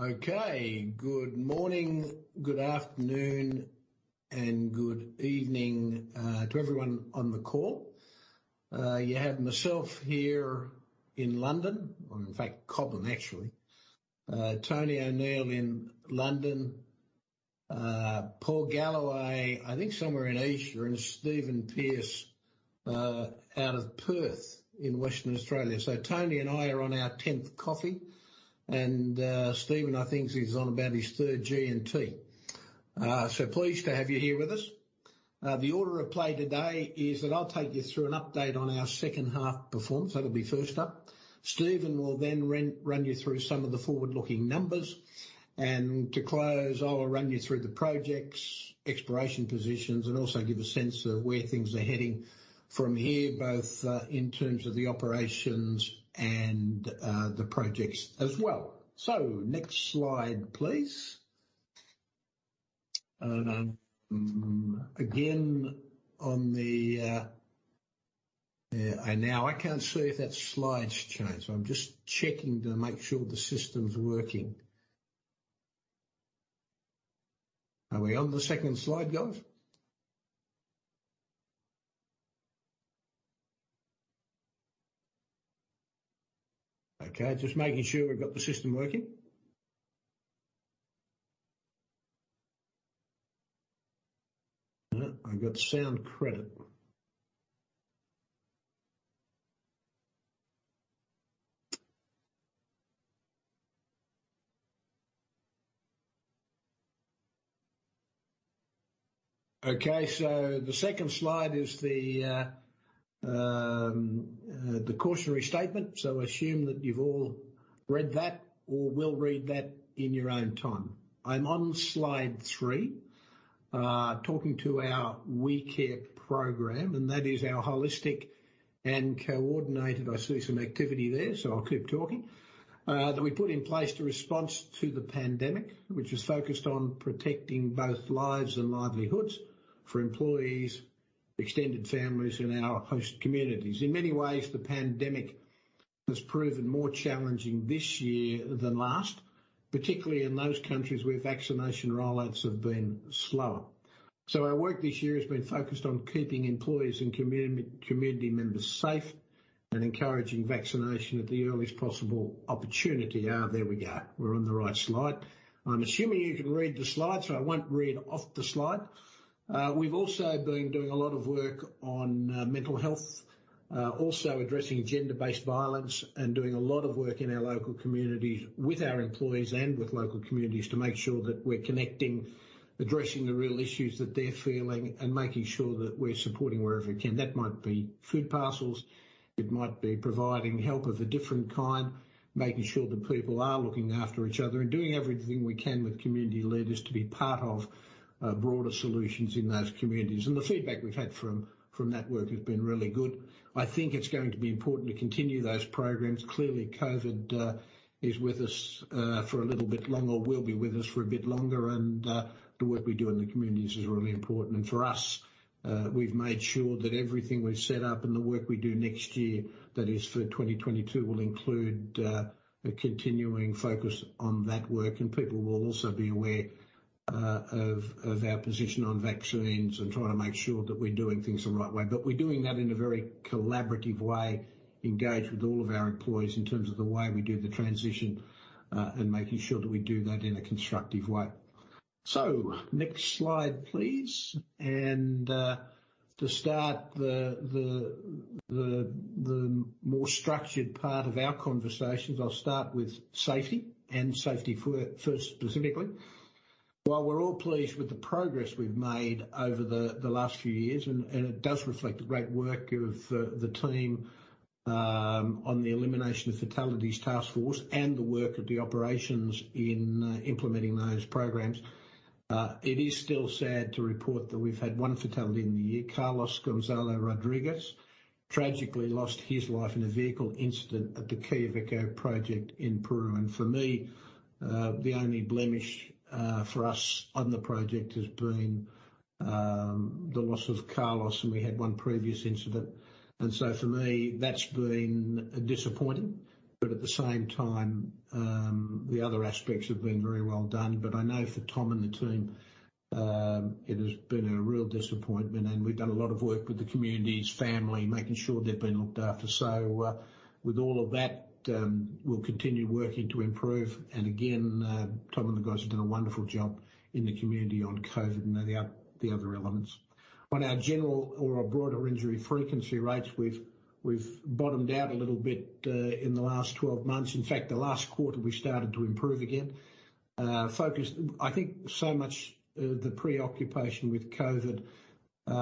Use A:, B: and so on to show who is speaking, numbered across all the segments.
A: Okay. Good morning, good afternoon, and good evening to everyone on the call. You have myself here in London. Well, in fact, Cobham, actually. Tony O'Neill in London. Paul Galloway, I think somewhere in Asia. And Stephen Pearce out of Perth in Western Australia. So Tony and I are on our 10th coffee and Stephen, I think he's on about his third G and T. Pleased to have you here with us. The order of play today is that I'll take you through an update on our second half performance. That'll be first up. Stephen will then run you through some of the forward-looking numbers. To close, I'll run you through the projects, exploration positions, and also give a sense of where things are heading from here, both in terms of the operations and the projects as well. Next slide, please. Again, on the. Yeah, and now I can't see if that slide's changed. I'm just checking to make sure the system's working. Are we on the second slide, guys? Okay, just making sure we've got the system working. No, I've got sound credit. Okay, the second slide is the cautionary statement. Assume that you've all read that or will read that in your own time. I'm on slide three, talking to our We Care program, and that is our holistic and coordinated that we put in place to respond to the pandemic, which is focused on protecting both lives and livelihoods for employees, extended families in our host communities. In many ways, the pandemic has proven more challenging this year than last, particularly in those countries where vaccination rollouts have been slower. Our work this year has been focused on keeping employees and community members safe and encouraging vaccination at the earliest possible opportunity. There we go. We're on the right slide. I'm assuming you can read the slide, so I won't read off the slide. We've also been doing a lot of work on mental health, also addressing gender-based violence and doing a lot of work in our local communities with our employees and with local communities to make sure that we're connecting, addressing the real issues that they're feeling and making sure that we're supporting wherever we can. That might be food parcels, it might be providing help of a different kind, making sure that people are looking after each other and doing everything we can with community leaders to be part of broader solutions in those communities. The feedback we've had from that work has been really good. I think it's going to be important to continue those programs. Clearly, COVID is with us for a little bit longer, or will be with us for a bit longer. The work we do in the communities is really important. For us, we've made sure that everything we've set up and the work we do next year, that is for 2022, will include a continuing focus on that work. People will also be aware of our position on vaccines and trying to make sure that we're doing things the right way. We're doing that in a very collaborative way, engaged with all of our employees in terms of the way we do the transition, and making sure that we do that in a constructive way. Next slide, please. To start the more structured part of our conversations, I'll start with safety and safety first specifically. While we're all pleased with the progress we've made over the last few years, and it does reflect the great work of the team on the Elimination of Fatalities Task Force and the work of the operations in implementing those programs, it is still sad to report that we've had one fatality in the year. Carlos Gonzalo Rodríguez tragically lost his life in a vehicle incident at the Quellaveco project in Peru. For me, the only blemish for us on the project has been the loss of Carlos, and we had one previous incident. For me, that's been disappointing, but at the same time, the other aspects have been very well done. I know for Tom and the team, it has been a real disappointment. We've done a lot of work with the community and the family, making sure they've been looked after. With all of that, we'll continue working to improve. Tom and the guys have done a wonderful job in the community on COVID and the other elements. On our general or our broader injury frequency rates, we've bottomed out a little bit in the last 12 months. In fact, the last quarter we started to improve again. I think so much the preoccupation with COVID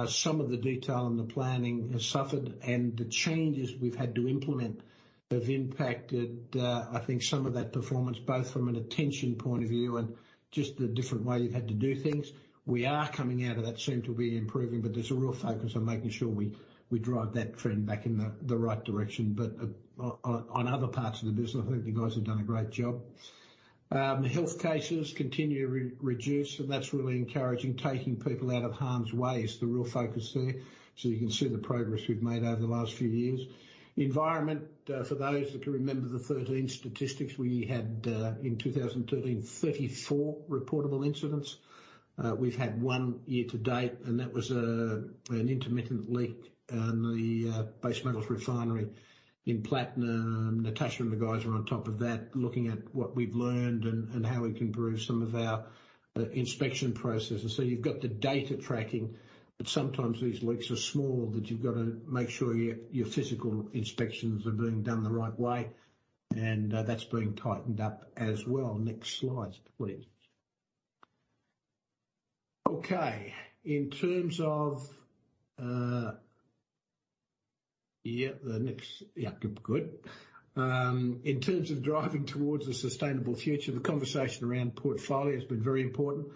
A: some of the detail and the planning has suffered, and the changes we've had to implement have impacted I think some of that performance, both from an attention point of view and just the different way you've had to do things. We are coming out of that, soon to be improving, but there's a real focus on making sure we drive that trend back in the right direction. On other parts of the business, I think you guys have done a great job. Health cases continue to reduce, and that's really encouraging. Taking people out of harm's way is the real focus there. You can see the progress we've made over the last few years. Environment, for those that can remember the 13 statistics we had in 2013, 34 reportable incidents. We've had one year to date, and that was an intermittent leak in the Base Metals Refinery in Platinum. Natasha and the guys are on top of that, looking at what we've learned and how we can improve some of our inspection processes. You've got the data tracking, but sometimes these leaks are small, that you've got to make sure your physical inspections are being done the right way, and that's being tightened up as well. Next slide, please. Okay. In terms of, yeah, good. In terms of driving towards a sustainable future, the conversation around portfolio has been very important.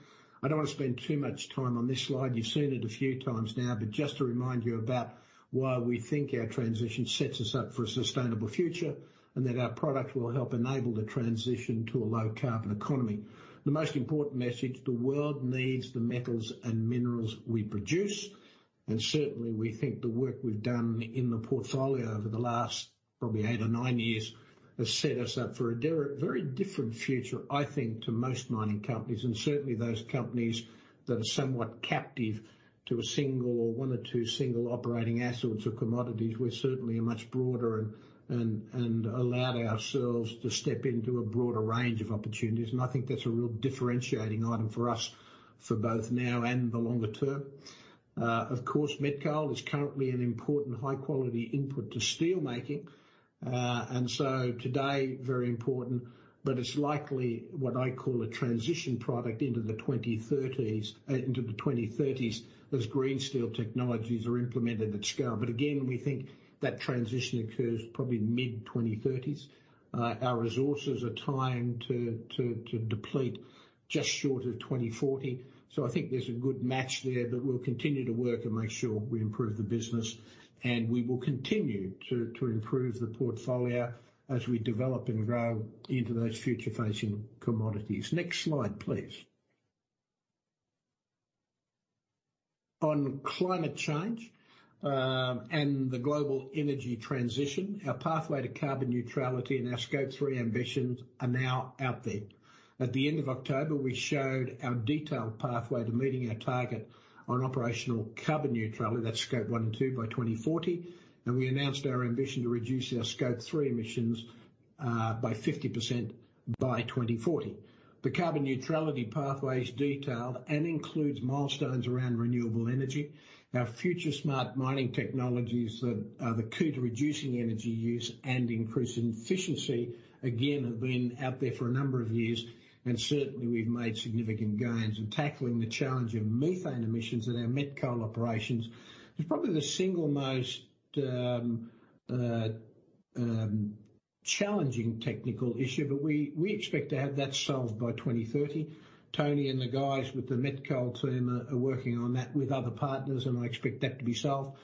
A: I don't want to spend too much time on this slide. You've seen it a few times now, but just to remind you about why we think our transition sets us up for a sustainable future, and that our product will help enable the transition to a low carbon economy. The most important message, the world needs the metals and minerals we produce, and certainly we think the work we've done in the portfolio over the last probably eight or nine years has set us up for a very different future, I think, to most mining companies, and certainly those companies that are somewhat captive to a single or one or two operating assets or commodities. We're certainly a much broader and allowed ourselves to step into a broader range of opportunities, and I think that's a real differentiating item for us for both now and the longer term. Of course, met coal is currently an important high-quality input to steel making. Today, very important, but it's likely what I call a transition product into the 2030s, as green steel technologies are implemented at scale. Again, we think that transition occurs probably mid-2030s. Our resources are timed to deplete just short of 2040. I think there's a good match there, but we'll continue to work and make sure we improve the business, and we will continue to improve the portfolio as we develop and grow into those future facing commodities. Next slide, please. On climate change and the global energy transition, our pathway to carbon neutrality and our Scope 3 ambitions are now out there. At the end of October, we showed our detailed pathway to meeting our target on operational carbon neutrality. That's Scope 1 and 2 by 2040, and we announced our ambition to reduce our Scope 3 emissions by 50% by 2040. The carbon neutrality pathway is detailed and includes milestones around renewable energy. Our FutureSmart Mining technologies that are the key to reducing energy use and increasing efficiency, again, have been out there for a number of years. Certainly we've made significant gains in tackling the challenge of methane emissions in our met coal operations. It's probably the single most challenging technical issue, but we expect to have that solved by 2030. Tony and the guys with the met coal team are working on that with other partners, and I expect that to be solved.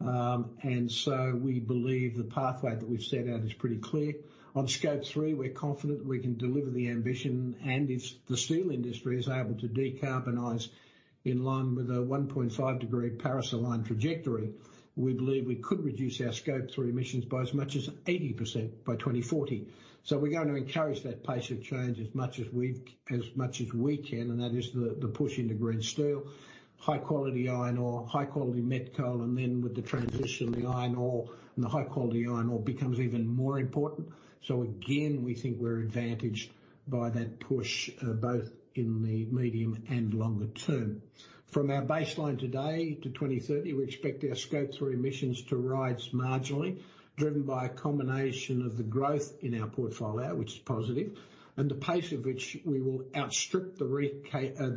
A: We believe the pathway that we've set out is pretty clear. On Scope 3, we're confident we can deliver the ambition, and if the steel industry is able to decarbonize in line with a 1.5-degree Paris-aligned trajectory, we believe we could reduce our Scope 3 emissions by as much as 80% by 2040. We're going to encourage that pace of change as much as we can, and that is the push into green steel, high quality iron ore, high quality met coal, and then with the transition, the iron ore and the high quality iron ore becomes even more important. Again, we think we're advantaged by that push both in the medium and longer term. From our baseline today to 2030, we expect our Scope 3 emissions to rise marginally, driven by a combination of the growth in our portfolio, which is positive, and the pace at which we will outstrip the rate of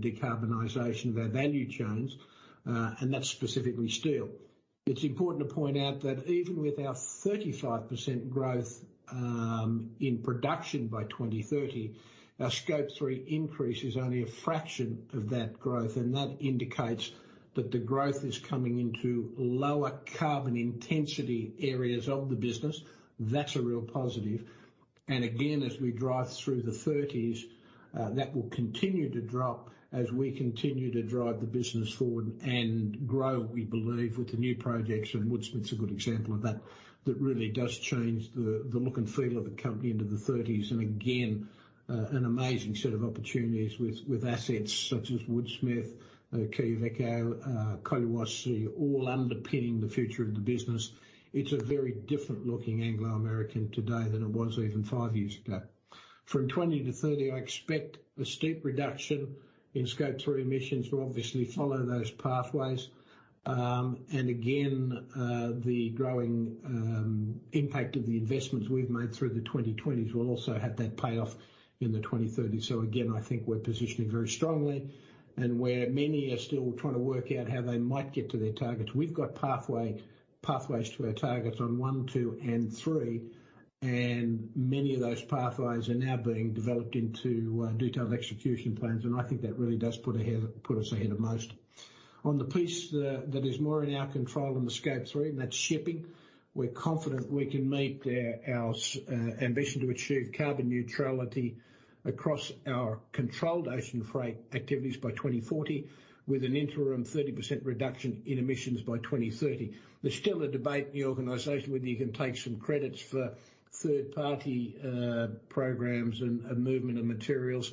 A: decarbonization of our value chains, and that's specifically steel. It's important to point out that even with our 35% growth in production by 2030, our Scope 3 increase is only a fraction of that growth, and that indicates that the growth is coming into lower carbon intensity areas of the business. That's a real positive. Again, as we drive through the 2030s, that will continue to drop as we continue to drive the business forward and grow, we believe, with the new projects, and Woodsmith's a good example of that. That really does change the look and feel of the company into the 2030s. Again, an amazing set of opportunities with assets such as Woodsmith, Quellaveco, Collahuasi all underpinning the future of the business. It's a very different looking Anglo American today than it was even five years ago. From 20 to 30, I expect a steep reduction in Scope 3 emissions. We'll obviously follow those pathways. The growing impact of the investments we've made through the 2020s will also have that payoff in the 2030s. Again, I think we're positioning very strongly and where many are still trying to work out how they might get to their targets, we've got pathway, pathways to our targets on Scope 1, 2, and 3, and many of those pathways are now being developed into detailed execution plans. I think that really does put us ahead of most. On the piece that is more in our control and the Scope 3, and that's shipping, we're confident we can meet our ambition to achieve carbon neutrality across our controlled ocean freight activities by 2040, with an interim 30% reduction in emissions by 2030. There's still a debate in the organization whether you can take some credits for third-party programs and movement of materials.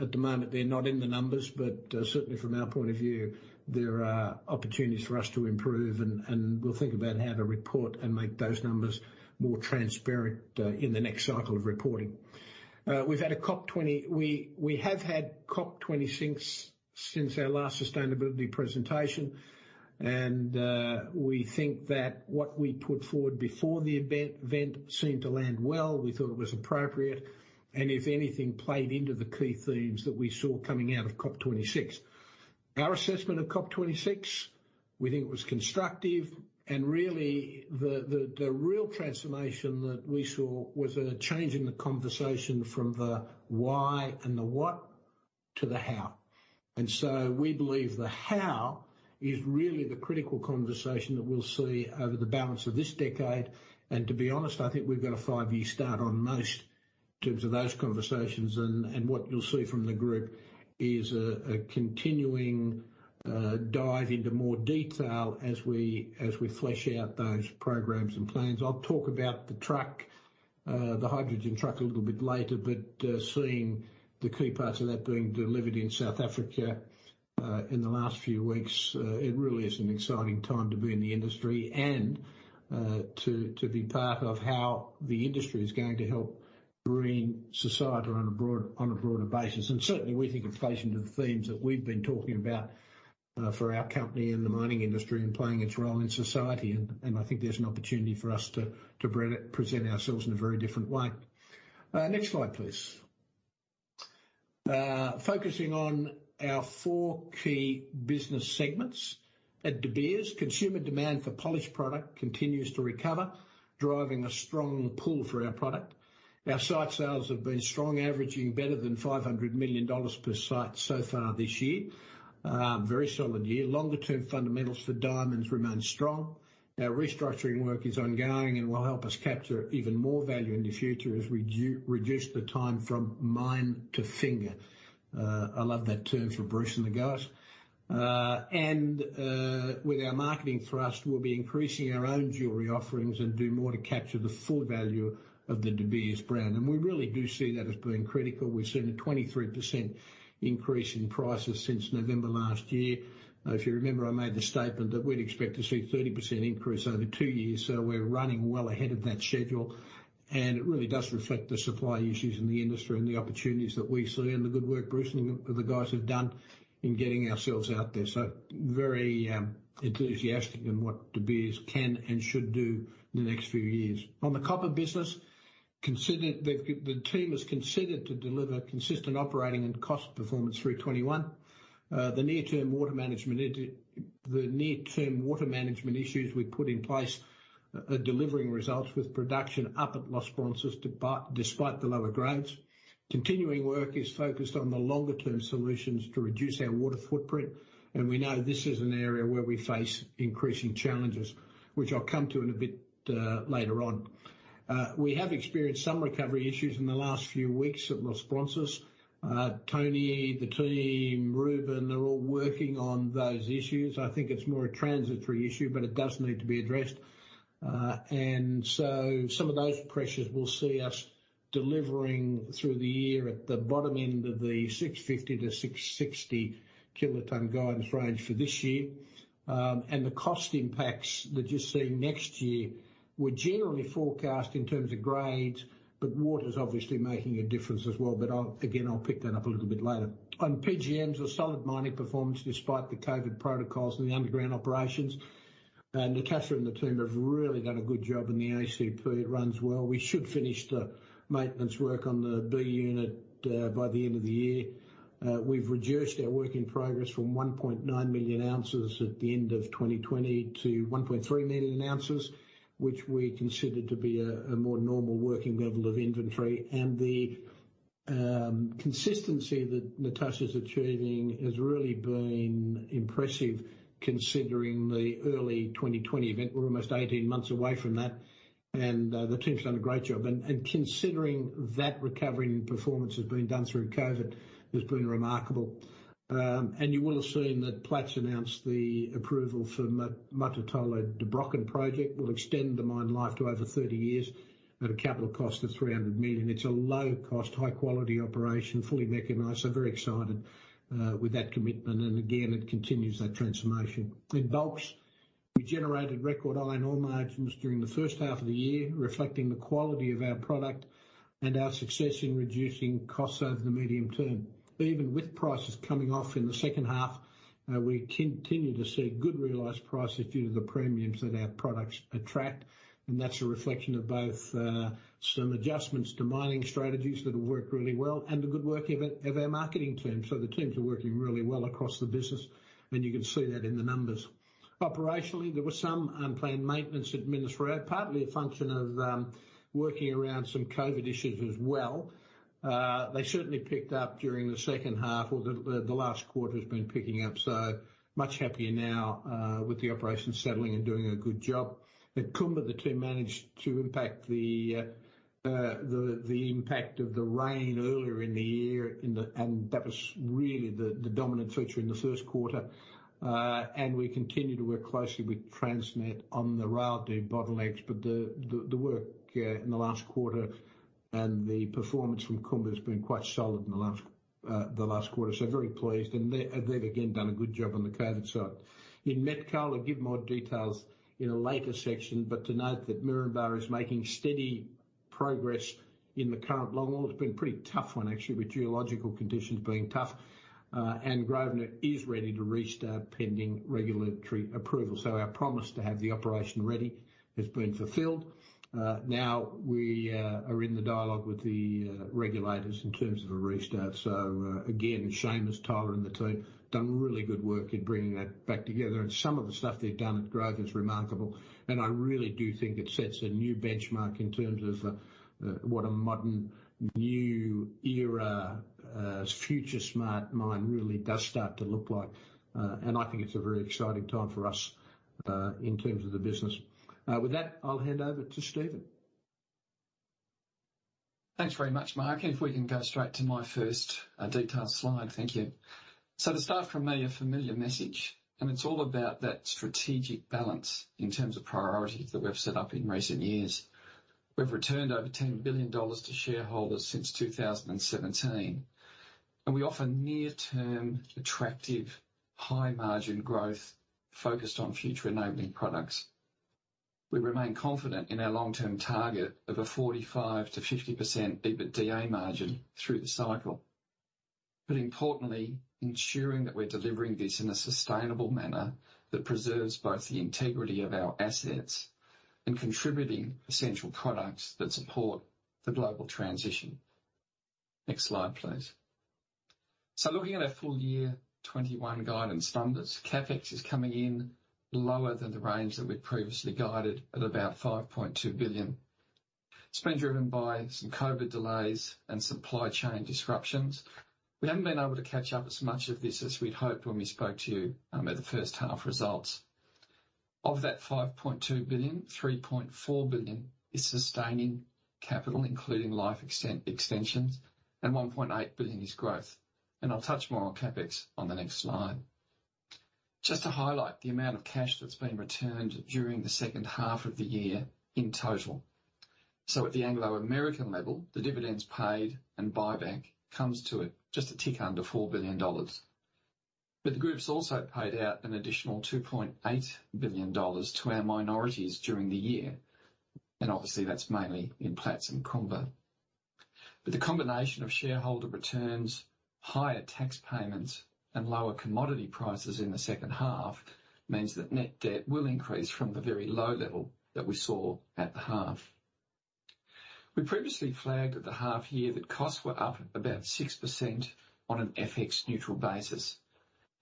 A: At the moment, they're not in the numbers, but certainly from our point of view, there are opportunities for us to improve and we'll think about how to report and make those numbers more transparent in the next cycle of reporting. We've had a COP 26 since our last sustainability presentation, and we think that what we put forward before the event seemed to land well. We thought it was appropriate, and if anything, played into the key themes that we saw coming out of COP 26. Our assessment of COP 26, we think it was constructive. Really, the real transformation that we saw was a change in the conversation from the why and the what to the how. We believe the how is really the critical conversation that we'll see over the balance of this decade. To be honest, I think we've got a five-year start on most in terms of those conversations. What you'll see from the group is a continuing dive into more detail as we flesh out those programs and plans. I'll talk about the truck, the hydrogen truck a little bit later, but seeing the key parts of that being delivered in South Africa in the last few weeks, it really is an exciting time to be in the industry and to be part of how the industry is going to help green society on a broader basis. Certainly, we think it plays into the themes that we've been talking about for our company and the mining industry and playing its role in society. I think there's an opportunity for us to pre-present ourselves in a very different way. Next slide, please. Focusing on our four key business segments. At De Beers, consumer demand for polished product continues to recover, driving a strong pull for our product. Our sight sales have been strong, averaging better than $500 million per site so far this year. Very solid year. Longer-term fundamentals for diamonds remain strong. Our restructuring work is ongoing and will help us capture even more value in the future as reduce the time from mine to finger. I love that term from Bruce and the guys. With our marketing thrust, we'll be increasing our own jewelry offerings and do more to capture the full value of the De Beers brand. We really do see that as being critical. We've seen a 23% increase in prices since November last year. If you remember, I made the statement that we'd expect to see 30% increase over two years. We're running well ahead of that schedule, and it really does reflect the supply issues in the industry and the opportunities that we see and the good work Bruce and the guys have done in getting ourselves out there. Very enthusiastic in what De Beers can and should do in the next few years. On the copper business, the team is considered to deliver consistent operating and cost performance through 2021. The near-term water management issues we put in place are delivering results with production up at Los Bronces despite the lower grades. Continuing work is focused on the longer-term solutions to reduce our water footprint, and we know this is an area where we face increasing challenges, which I'll come to in a bit, later on. We have experienced some recovery issues in the last few weeks at Los Bronces. Tony, the team, Ruben, they're all working on those issues. I think it's more a transitory issue, but it does need to be addressed. Some of those pressures will see us delivering through the year at the bottom end of the 650- to 660-kiloton guidance range for this year. The cost impacts that you're seeing next year were generally forecast in terms of grades, but water's obviously making a difference as well. I'll, again, pick that up a little bit later. On PGMs, a solid mining performance despite the COVID protocols and the underground operations. Natasha and the team have really done a good job in the ACP. It runs well. We should finish the maintenance work on the B unit by the end of the year. We've reduced our work in progress from 1.9 million oz at the end of 2020 to 1.3 million oz, which we consider to be a more normal working level of inventory. The consistency that Natasha's achieving has really been impressive considering the early 2020 event. We're almost 18 months away from that, and the team's done a great job. Considering the recovery and performance has been done through COVID has been remarkable. You will have seen that Platts announced the approval for Mototolo Der Brochen project will extend the mine life to over 30 years at a capital cost of $300 million. It's a low cost, high quality operation, fully mechanized, so very excited with that commitment. Again, it continues that transformation. In bulks, we generated record iron ore margins during the first half of the year, reflecting the quality of our product and our success in reducing costs over the medium term. Even with prices coming off in the second half, we continue to see good realized prices due to the premiums that our products attract. That's a reflection of both some adjustments to mining strategies that have worked really well and the good work of our marketing team. The teams are working really well across the business, and you can see that in the numbers. Operationally, there was some unplanned maintenance at Minas-Rio, partly a function of working around some COVID issues as well. They certainly picked up during the second half or the last quarter has been picking up, so much happier now with the operation settling and doing a good job. At Kumba, the team managed to impact the impact of the rain earlier in the year, and that was really the dominant feature in the first quarter. We continue to work closely with Transnet on the rail de-bottlenecks. The work in the last quarter and the performance from Kumba has been quite solid in the last quarter. Very pleased, and they've again done a good job on the COVID side. In met coal, I'll give more details in a later section, but to note that Moranbah is making steady progress in the current longwall. It's been a pretty tough one actually, with geological conditions being tough. Grosvenor is ready to restart pending regulatory approval. Our promise to have the operation ready has been fulfilled. Now we are in the dialogue with the regulators in terms of a restart. Again, Seamus French and the team done really good work in bringing that back together. Some of the stuff they've done at Grosvenor is remarkable, and I really do think it sets a new benchmark in terms of what a modern, new era FutureSmart mine really does start to look like. I think it's a very exciting time for us in terms of the business. With that, I'll hand over to Stephen.
B: Thanks very much, Mark. If we can go straight to my first detail slide. Thank you. To start from me, a familiar message, and it's all about that strategic balance in terms of priorities that we've set up in recent years. We've returned over $10 billion to shareholders since 2017, and we offer near-term attractive high-margin growth focused on future-enabling products. We remain confident in our long-term target of a 45%-50% EBITDA margin through the cycle. Importantly, ensuring that we're delivering this in a sustainable manner that preserves both the integrity of our assets and contributing essential products that support the global transition. Next slide, please. Looking at our full year 2021 guidance numbers, CapEx is coming in lower than the range that we'd previously guided at about $5.2 billion. It's been driven by some COVID delays and supply chain disruptions. We haven't been able to catch up as much of this as we'd hoped when we spoke to you at the first half results. Of that $5.2 billion, $3.4 billion is sustaining capital, including life extensions, and $1.8 billion is growth. I'll touch more on CapEx on the next slide. Just to highlight the amount of cash that's been returned during the second half of the year in total. At the Anglo American level, the dividends paid and buyback comes to just under $4 billion. The groups also paid out an additional $2.8 billion to our minorities during the year, and obviously that's mainly in Amplats and Kumba. The combination of shareholder returns, higher tax payments, and lower commodity prices in the second half means that net debt will increase from the very low level that we saw at the half. We previously flagged at the half year that costs were up about 6% on an FX neutral basis,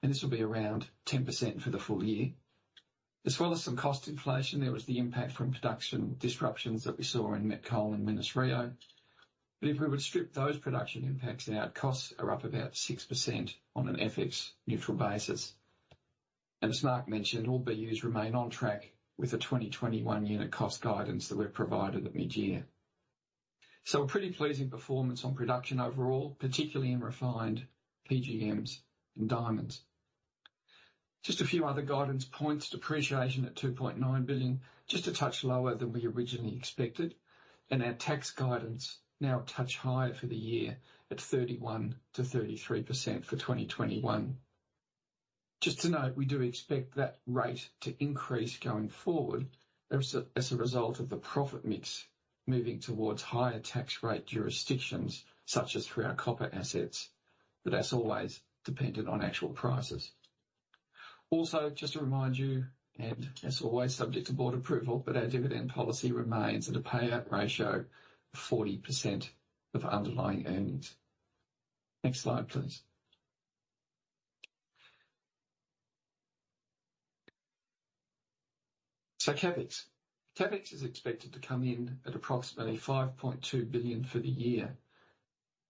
B: and this will be around 10% for the full year. As well as some cost inflation, there was the impact from production disruptions that we saw in met coal and Minas-Rio. If we were to strip those production impacts out, costs are up about 6% on an FX neutral basis. As Mark mentioned, all BUs remain on track with the 2021 unit cost guidance that we've provided at mid-year. A pretty pleasing performance on production overall, particularly in refined PGMs and diamonds. Just a few other guidance points. Depreciation at $2.9 billion, just a touch lower than we originally expected. Our tax guidance now a touch higher for the year at 31%-33% for 2021. Just to note, we do expect that rate to increase going forward as a result of the profit mix moving towards higher tax rate jurisdictions, such as through our copper assets, but that's always dependent on actual prices. Also, just to remind you, and as always subject to board approval, but our dividend policy remains at a payout ratio of 40% of underlying earnings. Next slide, please. CapEx. CapEx is expected to come in at approximately $5.2 billion for the year.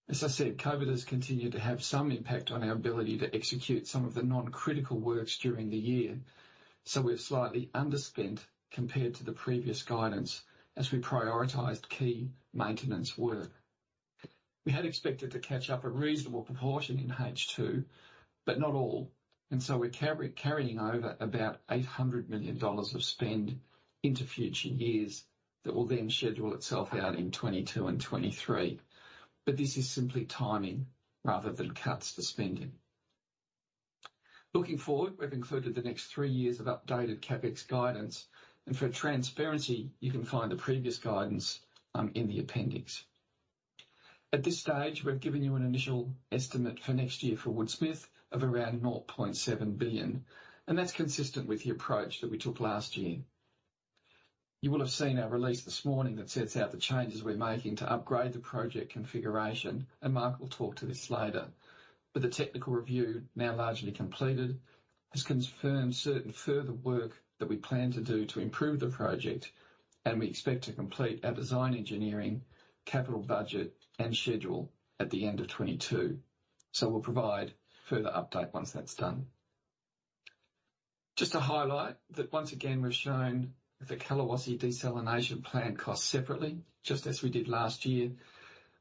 B: As I said, COVID has continued to have some impact on our ability to execute some of the non-critical works during the year. We're slightly underspent compared to the previous guidance as we prioritized key maintenance work. We had expected to catch up a reasonable proportion in H2, but not all. We're carrying over about $800 million of spend into future years that will then schedule itself out in 2022 and 2023. But this is simply timing rather than cuts to spending. Looking forward, we've included the next three years of updated CapEx guidance, and for transparency, you can find the previous guidance in the appendix. At this stage, we've given you an initial estimate for next year for Woodsmith of around $0.7 billion, and that's consistent with the approach that we took last year. You will have seen our release this morning that sets out the changes we're making to upgrade the project configuration, and Mark will talk to this later. The technical review, now largely completed, has confirmed certain further work that we plan to do to improve the project, and we expect to complete our design engineering, capital budget, and schedule at the end of 2022. We'll provide further update once that's done. Just to highlight that once again we've shown the Quellaveco desalination plant costs separately, just as we did last year.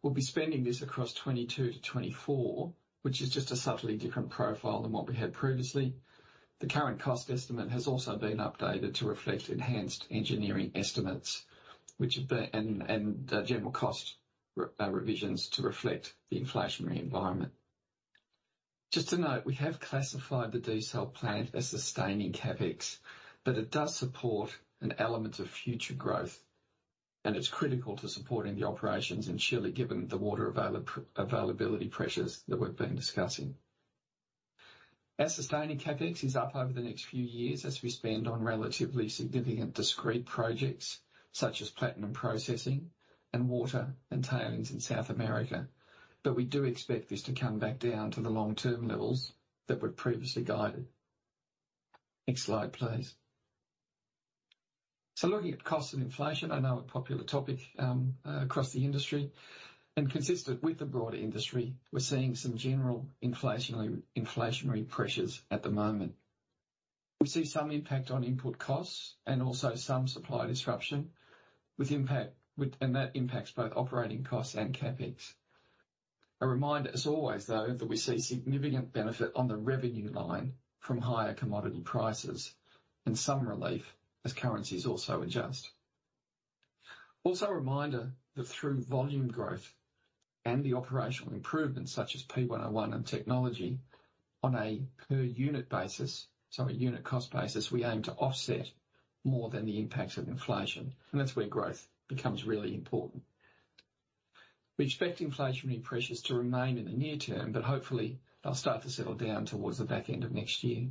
B: We'll be spending this across 2022 to 2024, which is just a subtly different profile than what we had previously. The current cost estimate has also been updated to reflect enhanced engineering estimates, which have been and general cost revisions to reflect the inflationary environment. Just to note, we have classified the desal plant as sustaining CapEx, but it does support an element of future growth, and it's critical to supporting the operations in Chile, given the water availability pressures that we've been discussing. Our sustaining CapEx is up over the next few years as we spend on relatively significant discrete projects such as platinum processing and water and tailings in South America, but we do expect this to come back down to the long-term levels that we've previously guided. Next slide, please. Looking at cost and inflation, I know a popular topic across the industry, and consistent with the broader industry, we're seeing some general inflationary pressures at the moment. We see some impact on input costs and also some supply disruption, and that impacts both operating costs and CapEx. A reminder as always though, that we see significant benefit on the revenue line from higher commodity prices and some relief as currencies also adjust. Also a reminder that through volume growth and the operational improvements such as P101 and technology on a per unit basis, so a unit cost basis, we aim to offset more than the impacts of inflation and that's where growth becomes really important. We expect inflationary pressures to remain in the near term, but hopefully they'll start to settle down towards the back end of next year.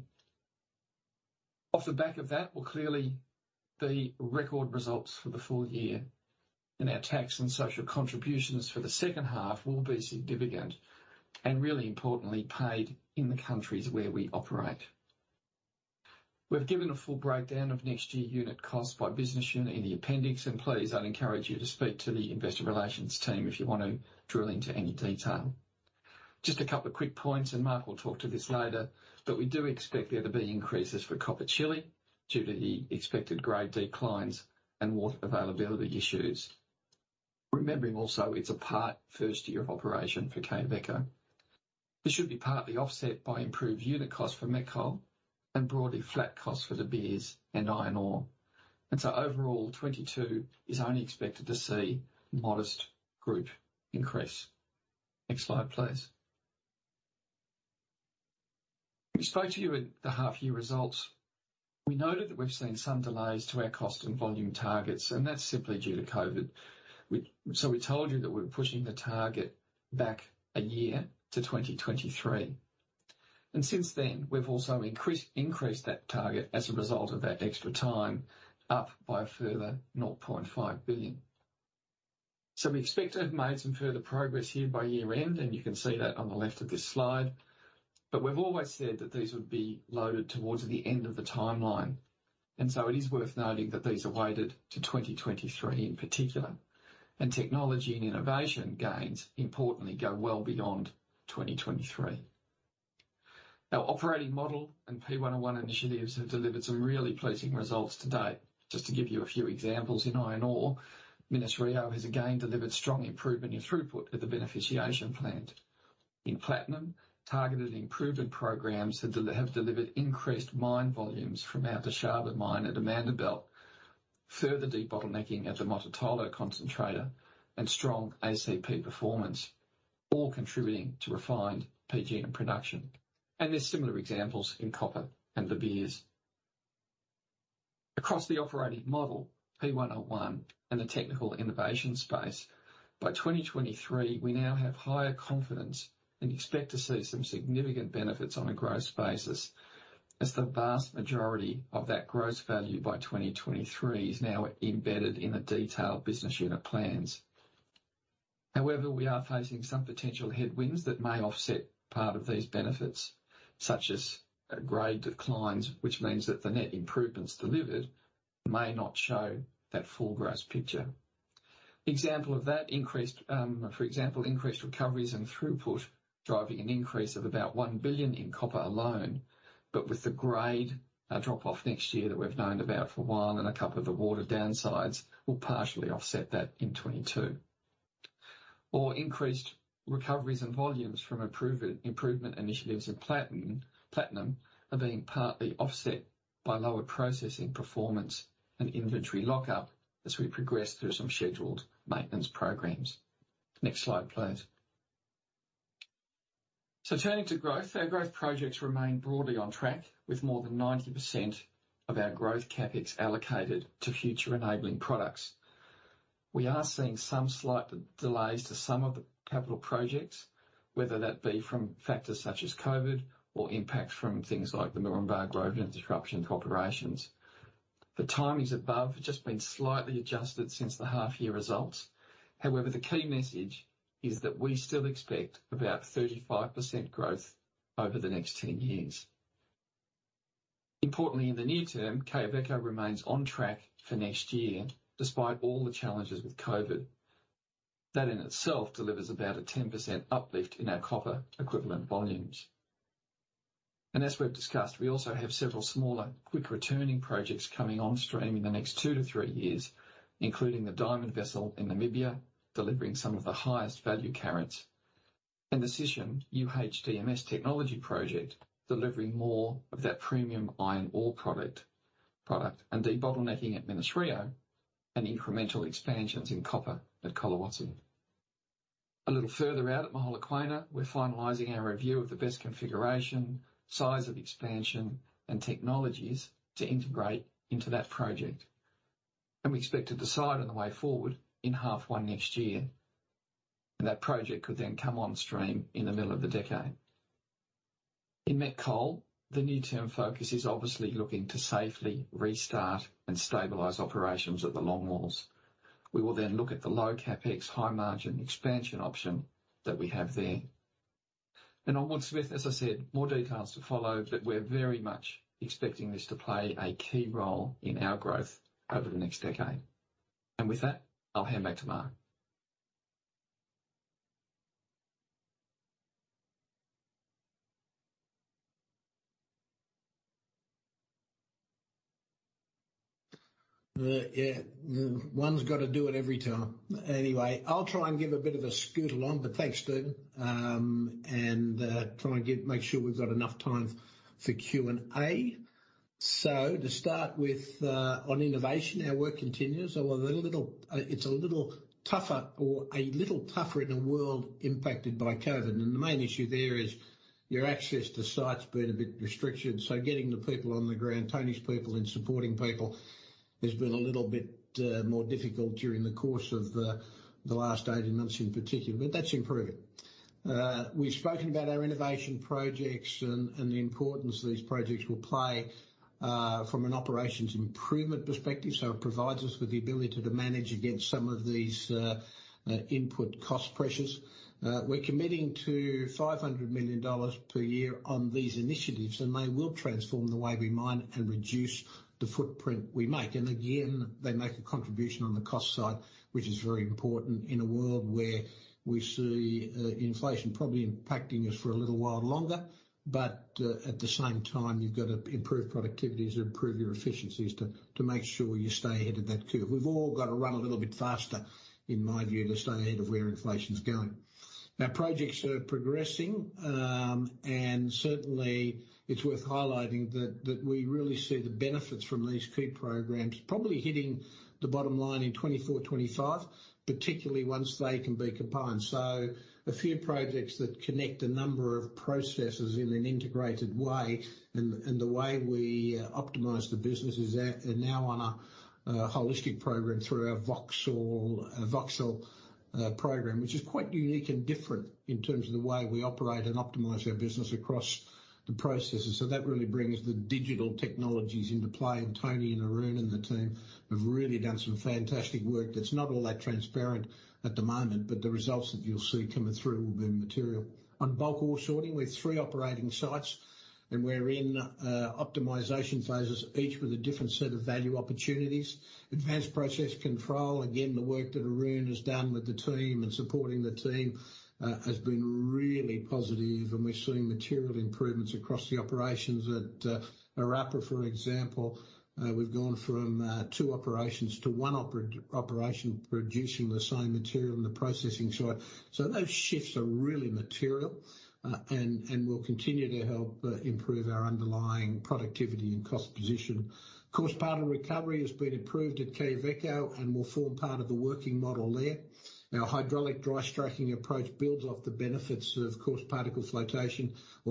B: Off the back of that will clearly be record results for the full year, and our tax and social contributions for the second half will be significant and really importantly paid in the countries where we operate. We've given a full breakdown of next year unit costs by business unit in the appendix and please, I'd encourage you to speak to the investor relations team if you want to drill into any detail. Just a couple of quick points, and Mark will talk to this later, but we do expect there to be increases for copper Chile due to the expected grade declines and water availability issues. Remembering also it's a partial first year of operation for Quellaveco. This should be partly offset by improved unit costs for met coal and broadly flat costs for De Beers and iron ore. Overall, 2022 is only expected to see modest group increase. Next slide, please. We spoke to you at the half-year results. We noted that we've seen some delays to our cost and volume targets, and that's simply due to COVID. We told you that we're pushing the target back a year to 2023. Since then, we've also increased that target as a result of that extra time, up by a further $0.5 billion. We expect to have made some further progress here by year-end, and you can see that on the left of this slide. We've always said that these would be loaded towards the end of the timeline. It is worth noting that these are weighted to 2023 in particular. Technology and innovation gains, importantly, go well beyond 2023. Our operating model and P101 initiatives have delivered some really pleasing results to date. Just to give you a few examples, in iron ore, Minas-Rio has again delivered strong improvement in throughput at the beneficiation plant. In platinum, targeted improvement programs have delivered increased mine volumes from our Dishaba mine at Amandelbult, further de-bottlenecking at the Mototolo concentrator and strong ACP performance, all contributing to refined PGM production. There's similar examples in copper and De Beers. Across the operating model, P101 and the technical innovation space, by 2023, we now have higher confidence and expect to see some significant benefits on a growth basis as the vast majority of that growth value by 2023 is now embedded in the detailed business unit plans. However, we are facing some potential headwinds that may offset part of these benefits, such as grade declines, which means that the net improvements delivered may not show that full growth picture. For example, increased recoveries and throughput driving an increase of about $1 billion in copper alone, but with the grade, a drop off next year that we've known about for a while and a couple of the water downsides will partially offset that in 2022. Or increased recoveries and volumes from improvement initiatives in platinum are being partly offset by lower processing performance and inventory lockup as we progress through some scheduled maintenance programs. Next slide, please. Turning to growth, our growth projects remain broadly on track, with more than 90% of our growth CapEx allocated to future enabling products. We are seeing some slight delays to some of the capital projects, whether that be from factors such as COVID or impact from things like the Moranbah growth and disrupted operations. The timings above have just been slightly adjusted since the half-year results. However, the key message is that we still expect about 35% growth over the next 10 years. Importantly, in the near term, Quellaveco remains on track for next year despite all the challenges with COVID. That in itself delivers about a 10% uplift in our copper equivalent volumes. As we've discussed, we also have several smaller quick returning projects coming on stream in the next two to three years, including the diamond vessel in Namibia, delivering some of the highest value carats. The Sishen UHDMS technology project, delivering more of that premium iron ore product and debottlenecking at Minas-Rio and incremental expansions in copper at Collahuasi. A little further out at Mogalakwena, we're finalizing our review of the best configuration, size of expansion and technologies to integrate into that project. We expect to decide on the way forward in half one next year. That project could then come on stream in the middle of the decade. In Met Coal, the near-term focus is obviously looking to safely restart and stabilize operations at the longwalls. We will then look at the low CapEx, high margin expansion option that we have there. On Woodsmith, as I said, more details to follow, but we're very much expecting this to play a key role in our growth over the next decade. With that, I'll hand back to Mark.
A: Yeah, one's gotta do it every time. Anyway, I'll try and give a bit of a scoot along, but thanks, Stuart. Try and make sure we've got enough time for Q and A. To start with, on innovation, our work continues. Although it's a little tougher in a world impacted by COVID. The main issue there is your access to sites being a bit restricted. Getting the people on the ground, Tony's people and supporting people, has been a little bit more difficult during the course of the last 18 months in particular, but that's improving. We've spoken about our innovation projects and the importance these projects will play from an operations improvement perspective. It provides us with the ability to manage against some of these input cost pressures. We're committing to $500 million per year on these initiatives, and they will transform the way we mine and reduce the footprint we make. Again, they make a contribution on the cost side, which is very important in a world where we see inflation probably impacting us for a little while longer. At the same time, you've got to improve productivities and improve your efficiencies to make sure you stay ahead of that curve. We've all got to run a little bit faster, in my view, to stay ahead of where inflation's going. Our projects are progressing, and certainly it's worth highlighting that we really see the benefits from these key programs probably hitting the bottom line in 2024, 2025, particularly once they can be combined. A few projects that connect a number of processes in an integrated way and the way we optimize the business are now on a holistic program through our FutureSmart program, which is quite unique and different in terms of the way we operate and optimize our business across the processes. That really brings the digital technologies into play. Tony and Arun and the team have really done some fantastic work that's not all that transparent at the moment, but the results that you'll see coming through will be material. On bulk ore sorting, we have three operating sites and we're in optimization phases, each with a different set of value opportunities. Advanced process control, again, the work that Arun has done with the team and supporting the team has been really positive and we're seeing material improvements across the operations. At Arapa, for example, we've gone from two operations to one operation, producing the same material in the processing site. Those shifts are really material and will continue to help improve our underlying productivity and cost position. Coarse Particle Recovery has been approved at Quellaveco and will form part of the working model there. Our Hydraulic Dry Stacking approach builds off the benefits of Coarse Particle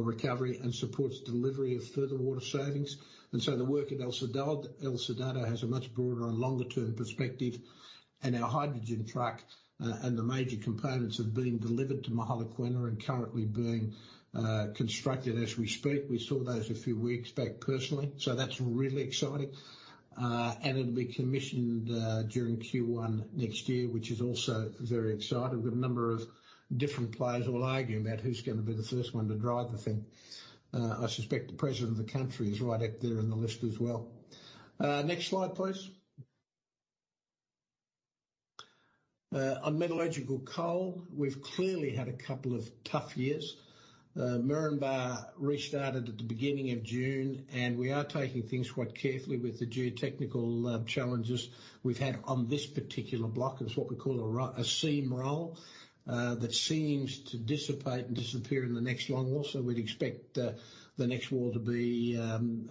A: Recovery and supports delivery of further water savings, and so the work at El Soldado has a much broader and longer term perspective. Our hydrogen truck and the major components have been delivered to Mogalakwena and currently being constructed as we speak. We saw those a few weeks back personally. That's really exciting. It'll be commissioned during Q1 next year, which is also very exciting. We've got a number of different players all arguing about who's gonna be the first one to drive the thing. I suspect the president of the country is right up there in the list as well. Next slide, please. On metallurgical coal, we've clearly had a couple of tough years. Moranbah restarted at the beginning of June, and we are taking things quite carefully with the geotechnical challenges we've had on this particular block. It's what we call a seam roll that seems to dissipate and disappear in the next longwall. We'd expect the next wall to be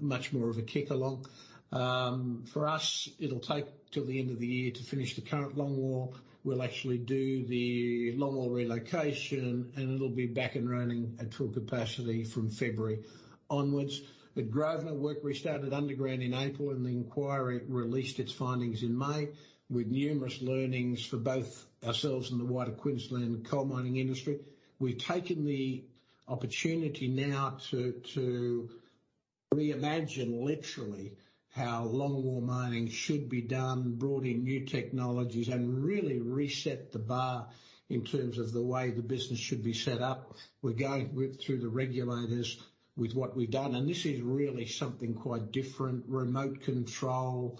A: much more of a kick along. For us, it'll take till the end of the year to finish the current longwall. We'll actually do the longwall relocation, and it'll be back and running at full capacity from February onwards. The Grosvenor work restarted underground in April, and the inquiry released its findings in May, with numerous learnings for both ourselves and the wider Queensland coal mining industry. We've taken the opportunity now to reimagine literally how longwall mining should be done, brought in new technologies and really reset the bar in terms of the way the business should be set up. We're going through the regulators with what we've done, and this is really something quite different, remote control,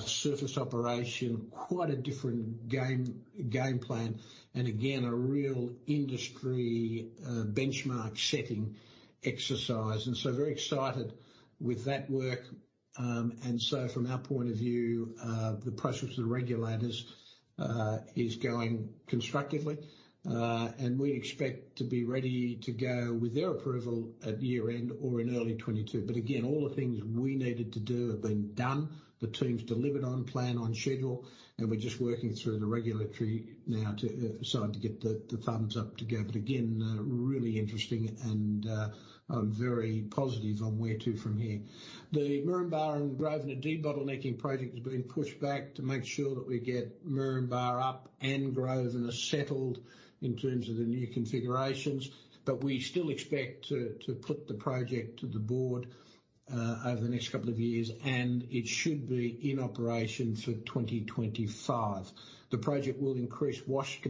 A: surface operation, quite a different game plan, and again, a real industry benchmark-setting exercise, and so very excited with that work. From our point of view, the process of the regulators is going constructively. We expect to be ready to go with their approval at year-end or in early 2022. Again, all the things we needed to do have been done. The team's delivered on plan, on schedule, and we're just working through the regulatory now to get the thumbs up to go. Again, really interesting, and I'm very positive on where to from here. The Moranbah and Grosvenor de-bottlenecking project has been pushed back to make sure that we get Moranbah up and Grosvenor settled in terms of the new configurations. We still expect to put the project to the board over the next couple of years, and it should be in operation for 2025. The project will increase plant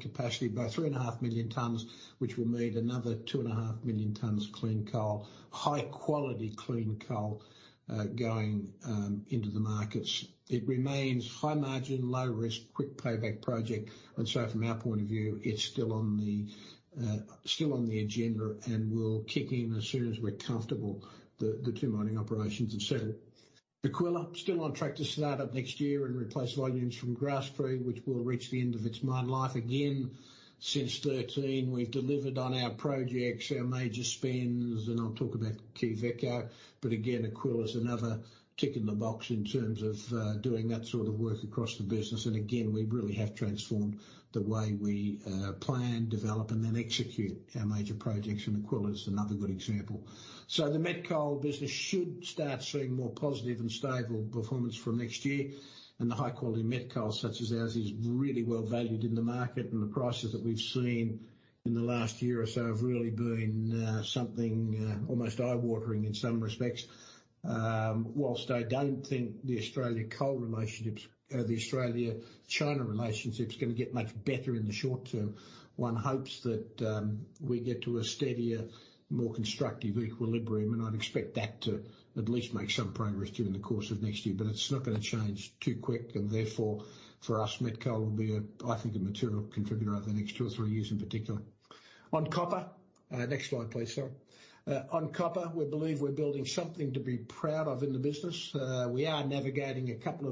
A: capacity by 3.5 million tons, which will mean another 2.5 million tons of clean coal, high-quality clean coal, going into the markets. It remains high margin, low risk, quick payback project, and from our point of view, it's still on the agenda and will kick in as soon as we're comfortable the two mining operations have settled. Aquila still on track to start up next year and replace volumes from Grasstree, which will reach the end of its mine life again. Since 2013, we've delivered on our projects, our major spends, and I'll talk about Quellaveco. Again, Aquila's another tick in the box in terms of doing that sort of work across the business. Again, we really have transformed the way we plan, develop and then execute our major projects, and Aquila's another good example. The met coal business should start seeing more positive and stable performance from next year. The high quality met coal such as ours is really well valued in the market, and the prices that we've seen in the last year or so have really been something almost eye-watering in some respects. Whilst I don't think the Australia-China relationship's gonna get much better in the short term, one hopes that we get to a steadier, more constructive equilibrium, and I'd expect that to at least make some progress during the course of next year. It's not gonna change too quick, and therefore, for us, met coal will be a, I think, a material contributor over the next two or three years in particular. On copper, next slide please, sorry. On copper, we believe we're building something to be proud of in the business. We are navigating a couple